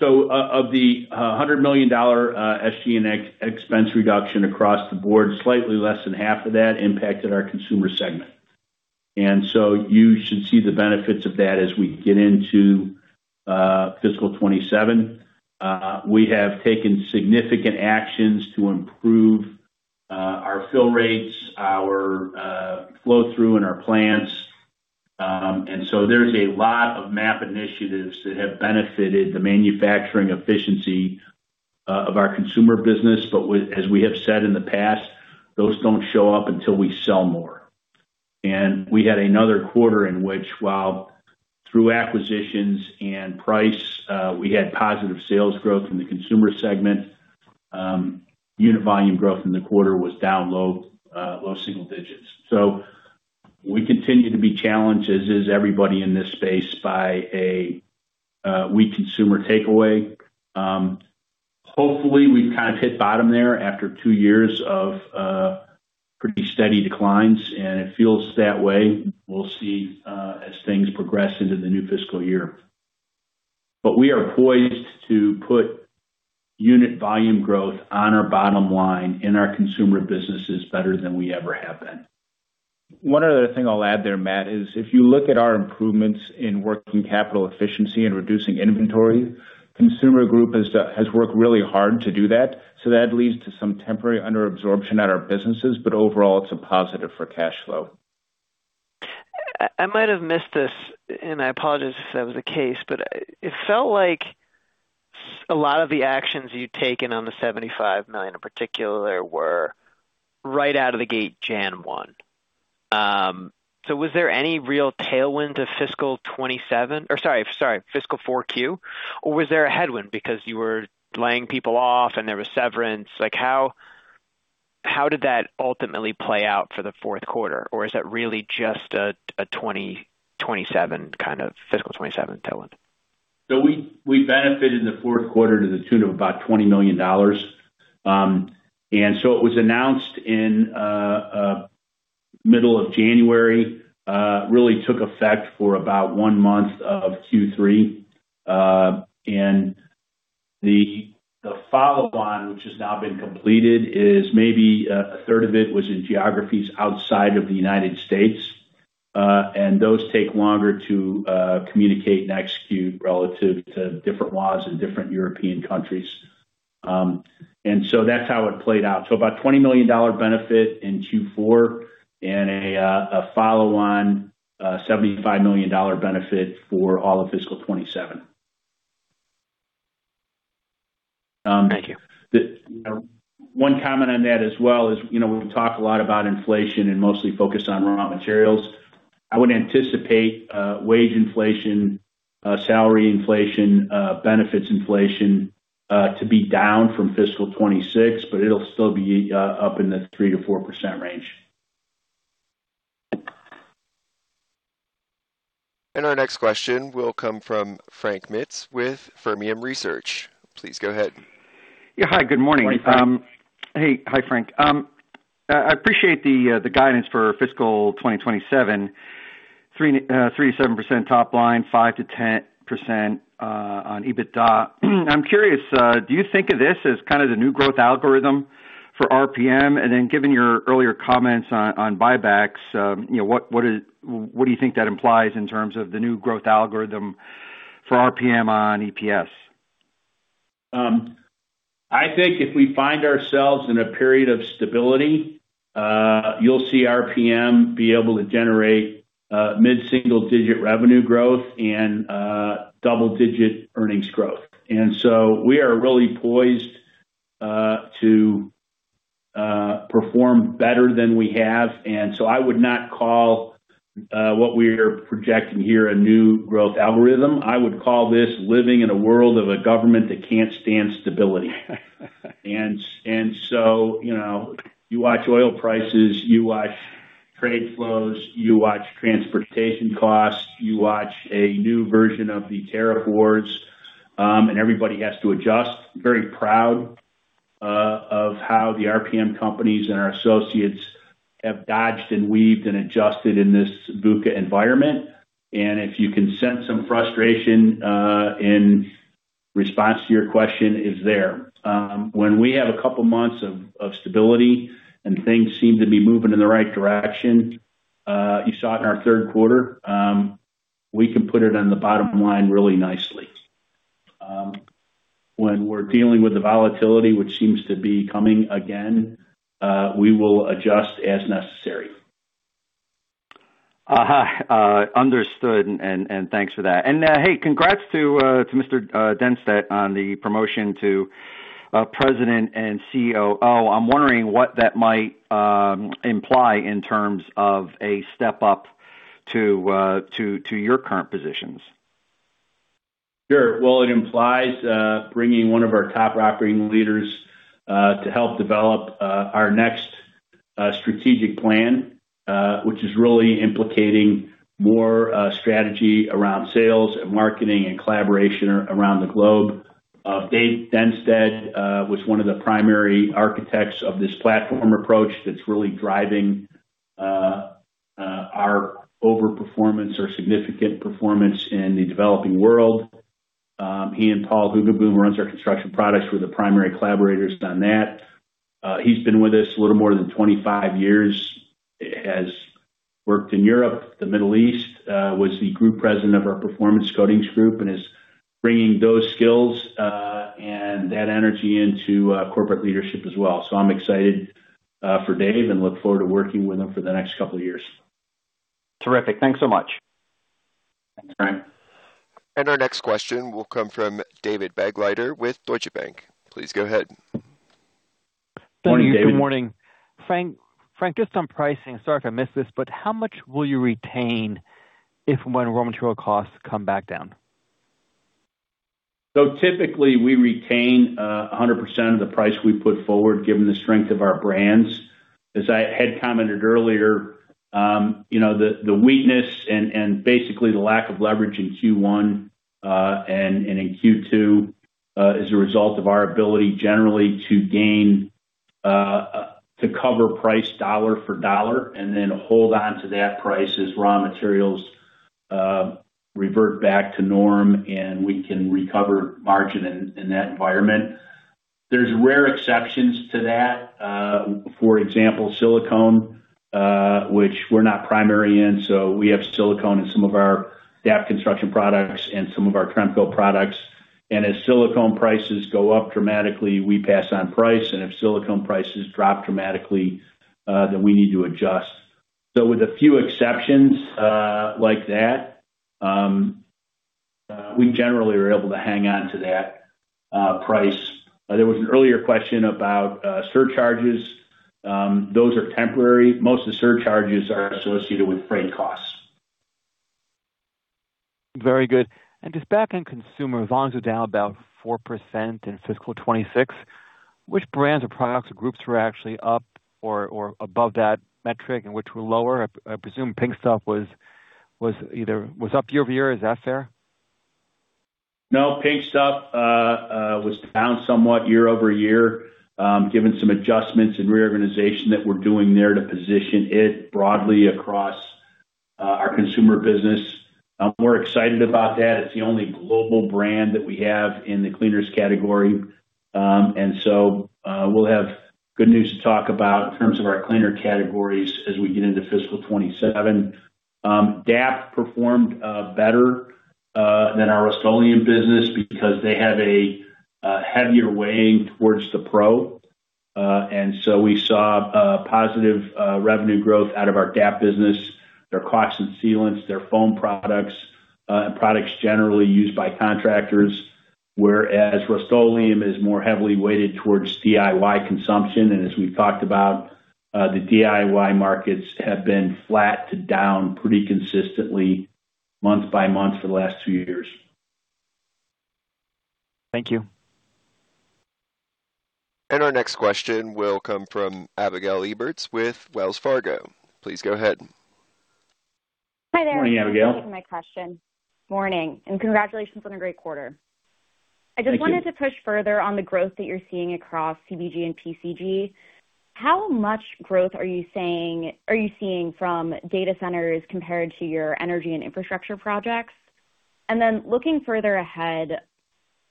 Of the $100 million SG&A expense reduction across the board, slightly less than half of that impacted our Consumer segment. You should see the benefits of that as we get into fiscal 2027. We have taken significant actions to improve our fill rates, our flow-through in our plants. There's a lot of MAP initiatives that have benefited the manufacturing efficiency of our Consumer business. As we have said in the past, those don't show up until we sell more. We had another quarter in which, while through acquisitions and price, we had positive sales growth in the Consumer segment. Unit volume growth in the quarter was down low single-digits. We continue to be challenged, as is everybody in this space, by a weak consumer takeaway. Hopefully, we've kind of hit bottom there after two years of pretty steady declines, and it feels that way. We'll see as things progress into the new fiscal year. We are poised to put unit volume growth on our bottom line in our Consumer businesses better than we ever have been. One other thing I'll add there, Matt, is if you look at our improvements in working capital efficiency and reducing inventory, Consumer Group has worked really hard to do that. That leads to some temporary under-absorption at our businesses. Overall, it's a positive for cash flow. I might have missed this, and I apologize if that was the case, but it felt like a lot of the actions you'd taken on the $75 million in particular were right out of the gate January 1. Was there any real tailwind to fiscal 2027? Sorry, fiscal 4Q? Was there a headwind because you were laying people off and there was severance? How did that ultimately play out for the fourth quarter? Is that really just a fiscal 2027 tailwind? We benefited in the fourth quarter to the tune of about $20 million. It was announced in middle of January, really took effect for about one month of Q3. The follow-on, which has now been completed, is maybe a third of it was in geographies outside of the United States. Those take longer to communicate and execute relative to different laws in different European countries. That's how it played out about a $20 million benefit in Q4 and a follow-on $75 million benefit for all of fiscal 2027. Thank you. One comment on that as well is, we talk a lot about inflation and mostly focus on raw materials. I would anticipate wage inflation, salary inflation, benefits inflation to be down from fiscal 2026, it'll still be up in the 3%-4% range. Our next question will come from Frank Mitsch with Fermium Research. Please go ahead. Yeah. Hi, good morning. Morning, Frank. Hey. Hi, Frank. I appreciate the guidance for fiscal 2027, 3%-7% top line, 5%-10% on EBITDA. I'm curious, do you think of this as kind of the new growth algorithm for RPM? Then given your earlier comments on buybacks, what do you think that implies in terms of the new growth algorithm for RPM on EPS? I think if we find ourselves in a period of stability, you'll see RPM be able to generate mid-single-digit revenue growth and double-digit earnings growth. So we are really poised to perform better than we have, and so I would not call what we're projecting here a new growth algorithm. I would call this living in a world of a government that can't stand stability. So you watch oil prices, you watch trade flows, you watch transportation costs, you watch a new version of the tariff wars, and everybody has to adjust. Very proud of how the RPM companies and our associates have dodged and weaved and adjusted in this VUCA environment. If you can sense some frustration in response to your question, it's there. When we have a couple of months of stability and things seem to be moving in the right direction, you saw it in our third quarter, we can put it on the bottom line really nicely. When we're dealing with the volatility, which seems to be coming again, we will adjust as necessary. Understood. Thanks for that. Hey, congrats to Mr. Dennsteadt on the promotion to President and COO. I'm wondering what that might imply in terms of a step up to your current positions. Sure. It implies bringing one of our top operating leaders to help develop our next strategic plan, which is really implicating more strategy around sales and marketing and collaboration around the globe. Dave Dennsteadt was one of the primary architects of this platform approach that's really driving our over-performance or significant performance in the developing world. He and Paul Hoogeboom, who runs our Construction Products Group, were the primary collaborators on that. He's been with us a little more than 25 years. Has worked in Europe, the Middle East, was the group president of our Performance Coatings Group, and is bringing those skills and that energy into corporate leadership as well. I'm excited for Dave and look forward to working with him for the next couple of years. Terrific. Thanks so much. Thanks, Frank. Our next question will come from David Begleiter with Deutsche Bank. Please go ahead. Morning, David. Good morning. Frank, just on pricing, sorry if I missed this, but how much will you retain if and when raw material costs come back down? Typically, we retain 100% of the price we put forward, given the strength of our brands. As I had commented earlier, the weakness and basically the lack of leverage in Q1 and in Q2, as a result of our ability generally to cover price dollar for dollar, and then hold onto that price as raw materials revert back to norm, and we can recover margin in that environment. There's rare exceptions to that. For example, silicone, which we're not primary in, so we have silicone in some of our DAP construction products and some of our Tremco products. As silicone prices go up dramatically, we pass on price, and if silicone prices drop dramatically, then we need to adjust. With a few exceptions like that, we generally are able to hang on to that price. There was an earlier question about surcharges. Those are temporary. Most of the surcharges are associated with freight costs. Very good. Just back on consumer volumes were down about 4% in fiscal 2026. Which brands or products or groups were actually up or above that metric and which were lower? I presume The Pink Stuff was up year-over-year. Is that fair? No. The Pink Stuff was down somewhat year-over-year, given some adjustments and reorganization that we're doing there to position it broadly across our consumer business. We're excited about that. It's the only global brand that we have in the cleaners category. We'll have good news to talk about in terms of our cleaner categories as we get into fiscal 2027. DAP performed better than our Rust-Oleum business because they have a heavier weighting towards the pro. We saw a positive revenue growth out of our DAP business, their caulk and sealants, their foam products, and products generally used by contractors. Whereas Rust-Oleum is more heavily weighted towards DIY consumption. As we've talked about, the DIY markets have been flat to down pretty consistently month-by-month for the last two years. Thank you. Our next question will come from Abigail Krueger with Wells Fargo. Please go ahead. Morning, Abigail. Thank you for taking my question. Morning, congratulations on a great quarter. Thank you. I just wanted to push further on the growth that you're seeing across CPG and PCG. How much growth are you seeing from data centers compared to your energy and infrastructure projects? Looking further ahead,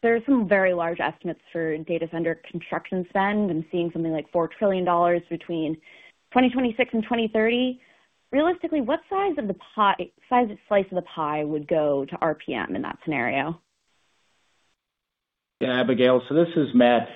there are some very large estimates for data center construction spend seeing something like $4 trillion between 2026 and 2030. Realistically, what size slice of the pie would go to RPM in that scenario? Abigail, this is Matt.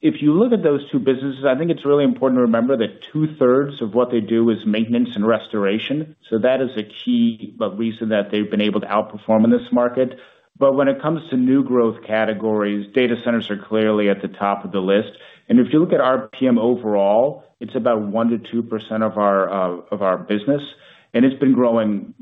If you look at those two businesses, I think it's really important to remember that two-thirds of what they do is maintenance and restoration. That is a key reason that they've been able to outperform in this market. When it comes to new growth categories, data centers are clearly at the top of the list. If you look at RPM overall, it's about 1%-2% of our business. It's been growing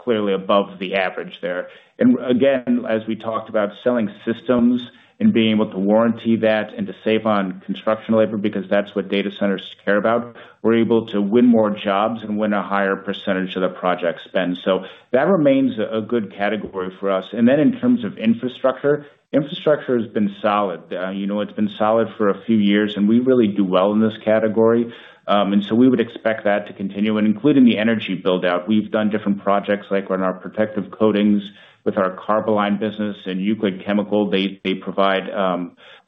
clearly above the average there. Again, as we talked about selling systems and being able to warranty that and to save on construction labor, because that's what data centers care about, we're able to win more jobs and win a higher percentage of the project spend. That remains a good category for us. In terms of infrastructure has been solid. It's been solid for a few years, and we really do well in this category. We would expect that to continue. Including the energy build-out, we've done different projects, like on our protective coatings with our Carboline business and Euclid Chemical. They provide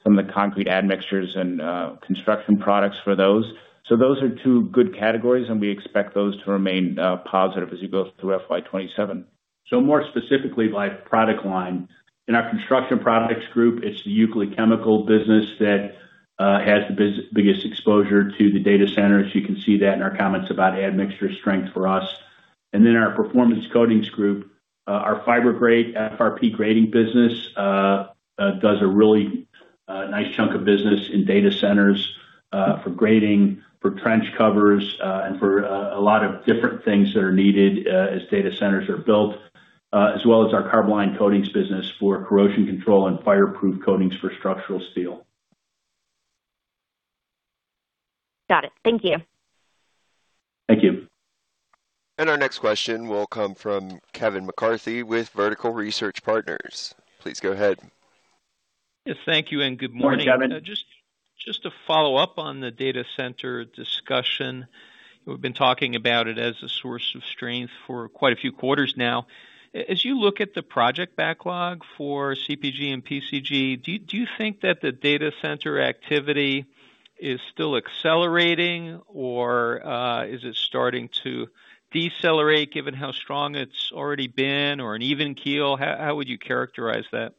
some of the concrete admixtures and construction products for those. Those are two good categories, and we expect those to remain positive as you go through FY 2027. More specifically by product line. In our Construction Products Group, it's the Euclid Chemical business that has the biggest exposure to the data centers. You can see that in our comments about admixture strength for us. Our Performance Coatings Group, our Fibergrate, FRP grating business, does a really nice chunk of business in data centers for grating, for trench covers, and for a lot of different things that are needed as data centers are built, as well as our Carboline coatings business for corrosion control and fireproof coatings for structural steel. Got it. Thank you. Thank you. Our next question will come from Kevin McCarthy with Vertical Research Partners. Please go ahead. Yeah, thank you, good morning. Morning, Kevin. Just to follow up on the data center discussion. We've been talking about it as a source of strength for quite a few quarters now. As you look at the project backlog for CPG and PCG, do you think that the data center activity is still accelerating or is it starting to decelerate, given how strong it's already been, or an even keel? How would you characterize that?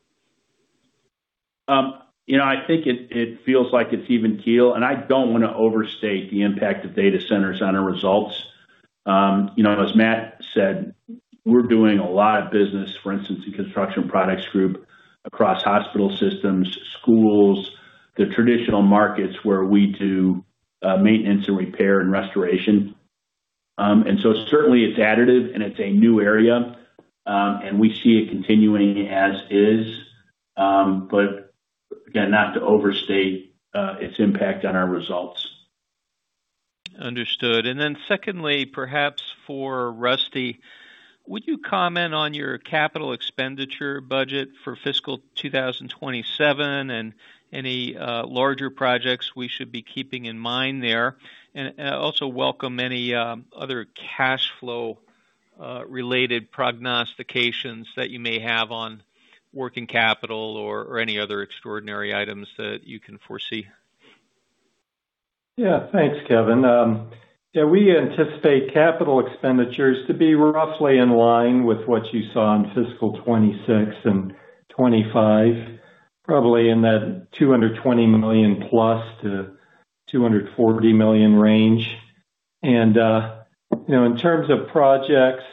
I think it feels like it's even keel, and I don't want to overstate the impact of data centers on our results. As Matt said, we're doing a lot of business, for instance, in Construction Products Group, across hospital systems, schools, the traditional markets where we do maintenance and repair and restoration. Certainly it's additive and it's a new area, and we see it continuing as is. Again, not to overstate its impact on our results. Understood. Secondly, perhaps for Russell, would you comment on your capital expenditure budget for fiscal 2027 and any larger projects we should be keeping in mind there? Welcome any other cash flow-related prognostications that you may have on working capital or any other extraordinary items that you can foresee. Thanks, Kevin. We anticipate capital expenditures to be roughly in line with what you saw in fiscal 2026 and 2025, probably in that $220 million+ to $240 million range. In terms of projects,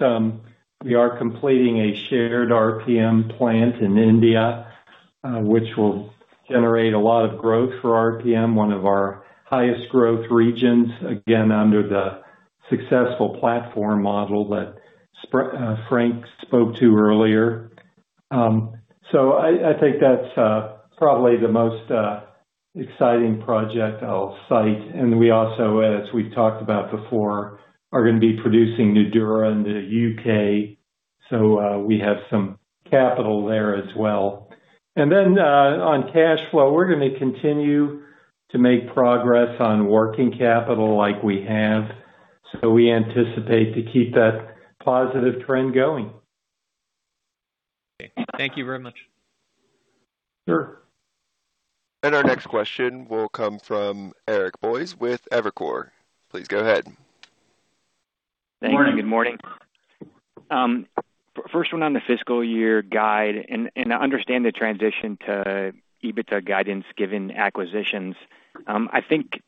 we are completing a shared RPM plant in India, which will generate a lot of growth for RPM, one of our highest growth regions, again, under the successful platform model that Frank spoke to earlier. I think that's probably the most exciting project I'll cite. We also, as we've talked about before, are going to be producing Nudura in the U.K., we have some capital there as well. On cash flow, we're going to continue to make progress on working capital like we have. We anticipate to keep that positive trend going. Thank you very much. Sure. Our next question will come from Eric Boyes with Evercore. Please go ahead. Good morning. Thanks. Good morning. First one on the fiscal year guide, I understand the transition to EBITDA guidance given acquisitions. I think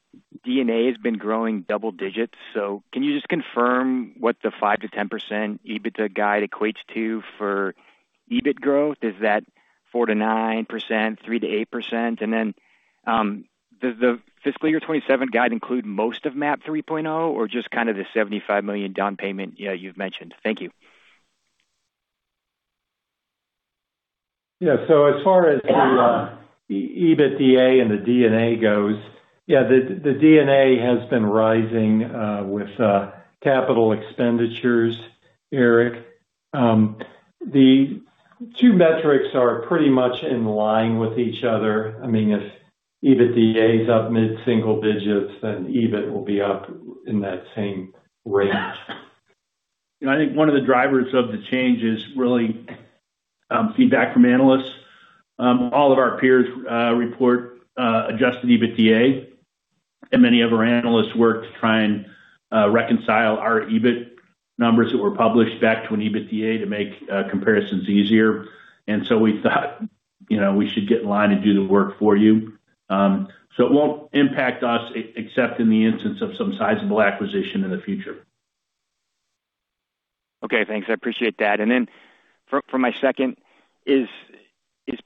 D&A has been growing double digits, can you just confirm what the 5%-10% EBITDA guide equates to for EBIT growth? Is that 4%-9%, 3%-8%? Then, does the fiscal year 2027 guide include most of MAP 3.0 or just kind of the $75 million down payment you've mentioned? Thank you. Yeah, as far as the EBITDA and the D&A goes, yeah, the D&A has been rising with capital expenditures, Eric. The two metrics are pretty much in line with each other. If EBITDA is up mid-single digits, EBIT will be up in that same range. I think one of the drivers of the change is really feedback from analysts. All of our peers report adjusted EBITDA, many of our analysts work to try and reconcile our EBIT numbers that were published back to an EBITDA to make comparisons easier. We thought we should get in line and do the work for you. It won't impact us except in the instance of some sizable acquisition in the future. Okay, thanks. I appreciate that. For my second, is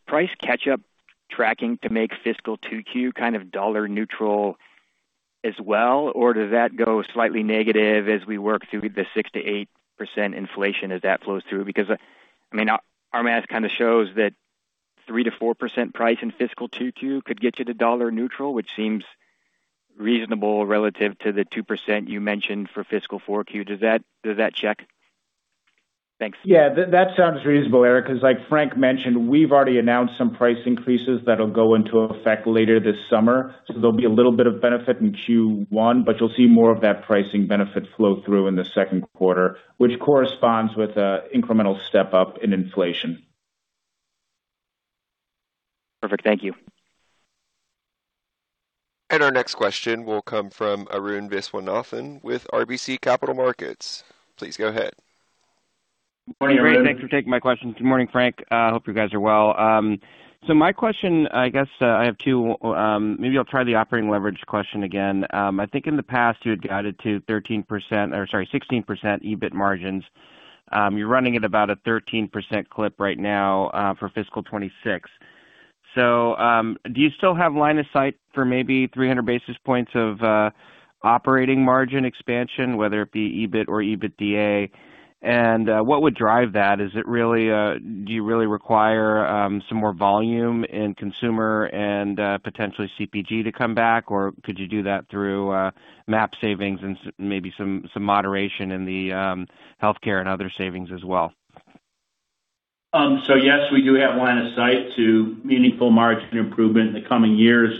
price catch-up tracking to make fiscal 2Q kind of dollar neutral as well, or does that go slightly negative as we work through the 6%-8% inflation as that flows through? Our math kind of shows that 3%-4% price in fiscal 2Q could get you to dollar neutral, which seems reasonable relative to the 2% you mentioned for fiscal 4Q. Does that check? Thanks. That sounds reasonable, Eric, because like Frank mentioned, we've already announced some price increases that'll go into effect later this summer. There'll be a little bit of benefit in Q1, but you'll see more of that pricing benefit flow through in the second quarter, which corresponds with incremental step up in inflation. Perfect. Thank you. Our next question will come from Arun Viswanathan with RBC Capital Markets. Please go ahead. Morning, Arun. Thanks for taking my questions. Good morning, Frank. I hope you guys are well. My question, I guess I have two. Maybe I'll try the operating leverage question again. I think in the past, you had guided to 13%, or sorry, 16% EBIT margins. You're running at about a 13% clip right now for FY 2026. Do you still have line of sight for maybe 300 basis points of operating margin expansion, whether it be EBIT or EBITDA? What would drive that? Do you really require some more volume in Consumer and potentially CPG to come back? Could you do that through MAP savings and maybe some moderation in the healthcare and other savings as well? Yes, we do have line of sight to meaningful margin improvement in the coming years.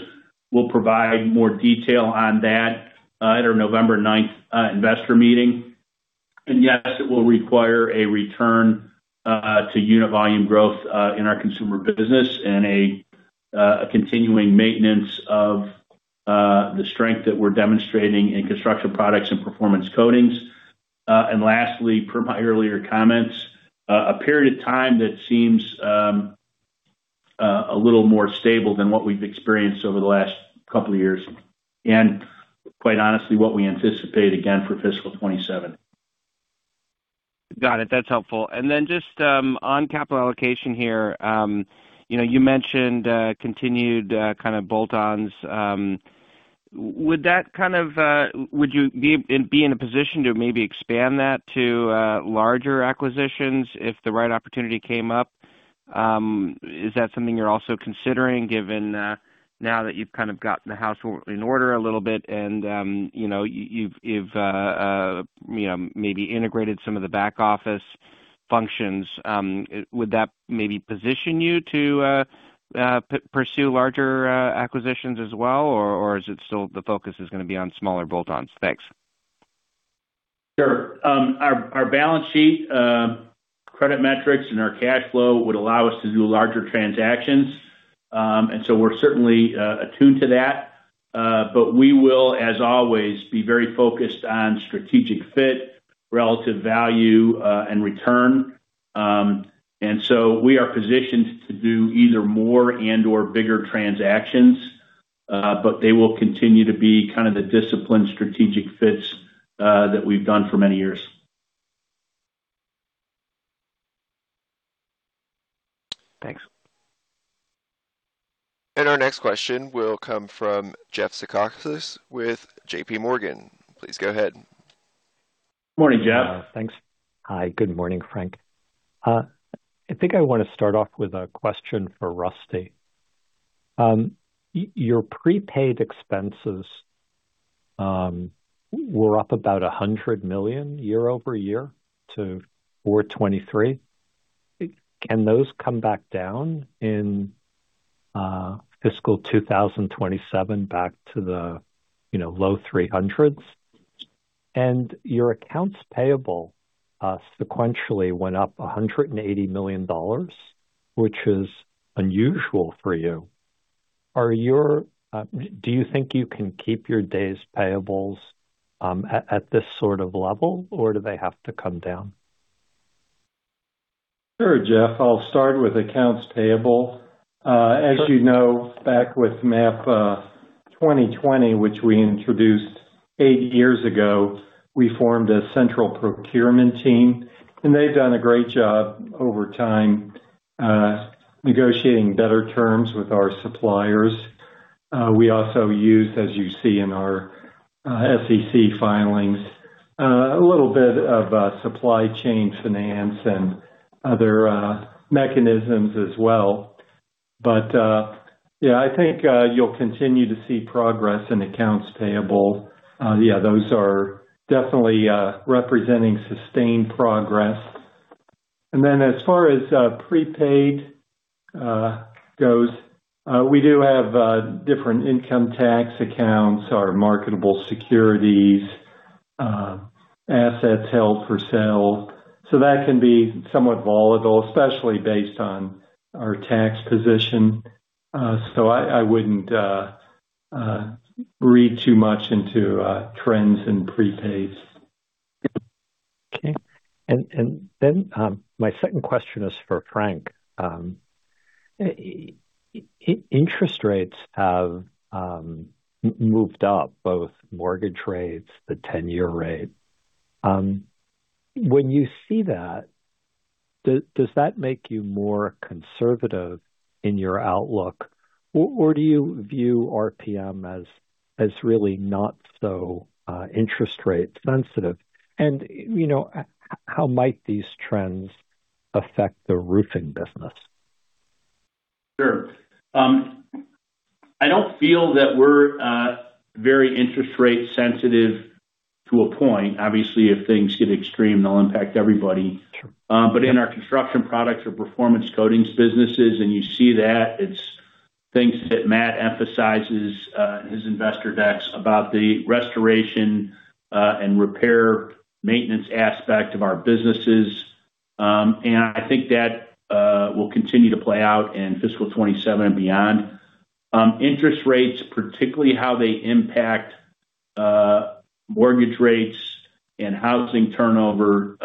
We'll provide more detail on that at our November 9th investor meeting. Yes, it will require a return to unit volume growth in our Consumer business and a continuing maintenance of the strength that we're demonstrating in Construction Products and Performance Coatings. Lastly, per my earlier comments, a period of time that seems a little more stable than what we've experienced over the last couple of years, and quite honestly, what we anticipate again for FY 2027. Got it. That's helpful. Then just on capital allocation here, you mentioned continued kind of bolt-ons. Would you be in a position to maybe expand that to larger acquisitions if the right opportunity came up? Is that something you're also considering given now that you've kind of gotten the house in order a little bit and you've maybe integrated some of the back office functions? Would that maybe position you to pursue larger acquisitions as well, or is it still the focus is going to be on smaller bolt-ons? Thanks. Sure. Our balance sheet, credit metrics, and our cash flow would allow us to do larger transactions. We're certainly attuned to that. We will, as always, be very focused on strategic fit, relative value, and return. We are positioned to do either more and/or bigger transactions, but they will continue to be kind of the disciplined strategic fits that we've done for many years. Thanks. Our next question will come from Jeff Zekauskas with JPMorgan. Please go ahead. Morning, Jeff. Thanks. Hi, good morning, Frank. I think I want to start off with a question for Russell. Your prepaid expenses were up about $100 million year-over-year to $423 million. Can those come back down in fiscal 2027 back to the low $300 million? Your accounts payable sequentially went up $180 million, which is unusual for you. Do you think you can keep your days payables at this sort of level, or do they have to come down? Sure, Jeff. I'll start with accounts payable. As you know, back with MAP 2020, which we introduced eight years ago, we formed a central procurement team, and they've done a great job over time negotiating better terms with our suppliers. We also use, as you see in our SEC filings, a little bit of supply chain finance and other mechanisms as well. Yeah, I think you'll continue to see progress in accounts payable. Yeah, those are definitely representing sustained progress. Then as far as prepaid goes, we do have different income tax accounts, our marketable securities, assets held for sale. That can be somewhat volatile, especially based on our tax position. I wouldn't read too much into trends in prepays. Okay. Then my second question is for Frank. Interest rates have moved up both mortgage rates, the 10-year rate. When you see that, does that make you more conservative in your outlook? Or do you view RPM as really not so interest rate sensitive? How might these trends affect the roofing business? Sure. I don't feel that we're very interest rate sensitive to a point. Obviously, if things get extreme, they'll impact everybody. Sure. In our Construction Products or Performance Coatings businesses, you see that it's things that Matt emphasizes in his investor decks about the restoration and repair maintenance aspect of our businesses. I think that will continue to play out in fiscal 2027 and beyond. Interest rates, particularly how they impact mortgage rates and housing turnover,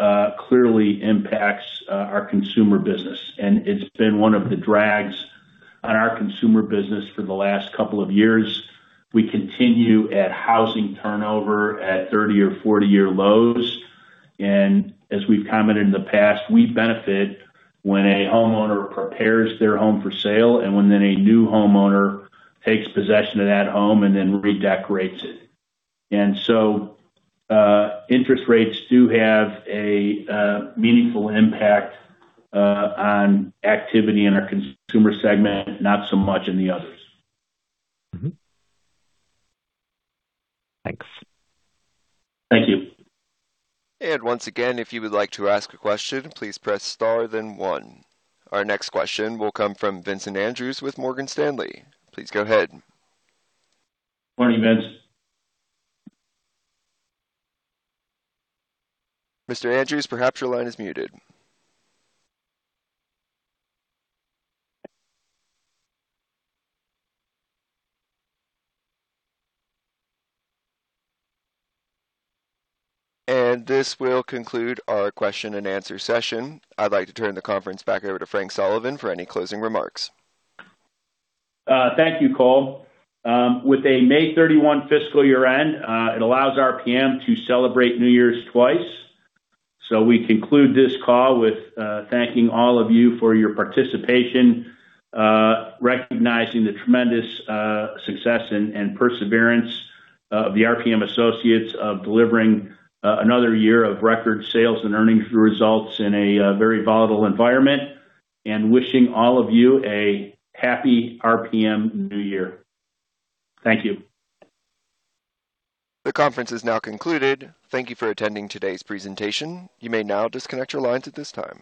clearly impacts our Consumer business. It's been one of the drags on our Consumer business for the last couple of years. We continue at housing turnover at 30 or 40-year lows. As we've commented in the past, we benefit when a homeowner prepares their home for sale and when then a new homeowner takes possession of that home and then redecorates it. Interest rates do have a meaningful impact on activity in our Consumer segment, not so much in the others. Thanks. Thank you. Once again, if you would like to ask a question, please press star then one. Our next question will come from Vincent Andrews with Morgan Stanley. Please go ahead. Morning, Vince. Mr. Andrews, perhaps your line is muted. This will conclude our question and answer session. I'd like to turn the conference back over to Frank Sullivan for any closing remarks. Thank you, Cole. With a May 31 fiscal year end, it allows RPM to celebrate New Year's twice. We conclude this call with thanking all of you for your participation, recognizing the tremendous success and perseverance of the RPM associates of delivering another year of record sales and earnings results in a very volatile environment, and wishing all of you a happy RPM New Year. Thank you. The conference is now concluded. Thank you for attending today's presentation. You may now disconnect your lines at this time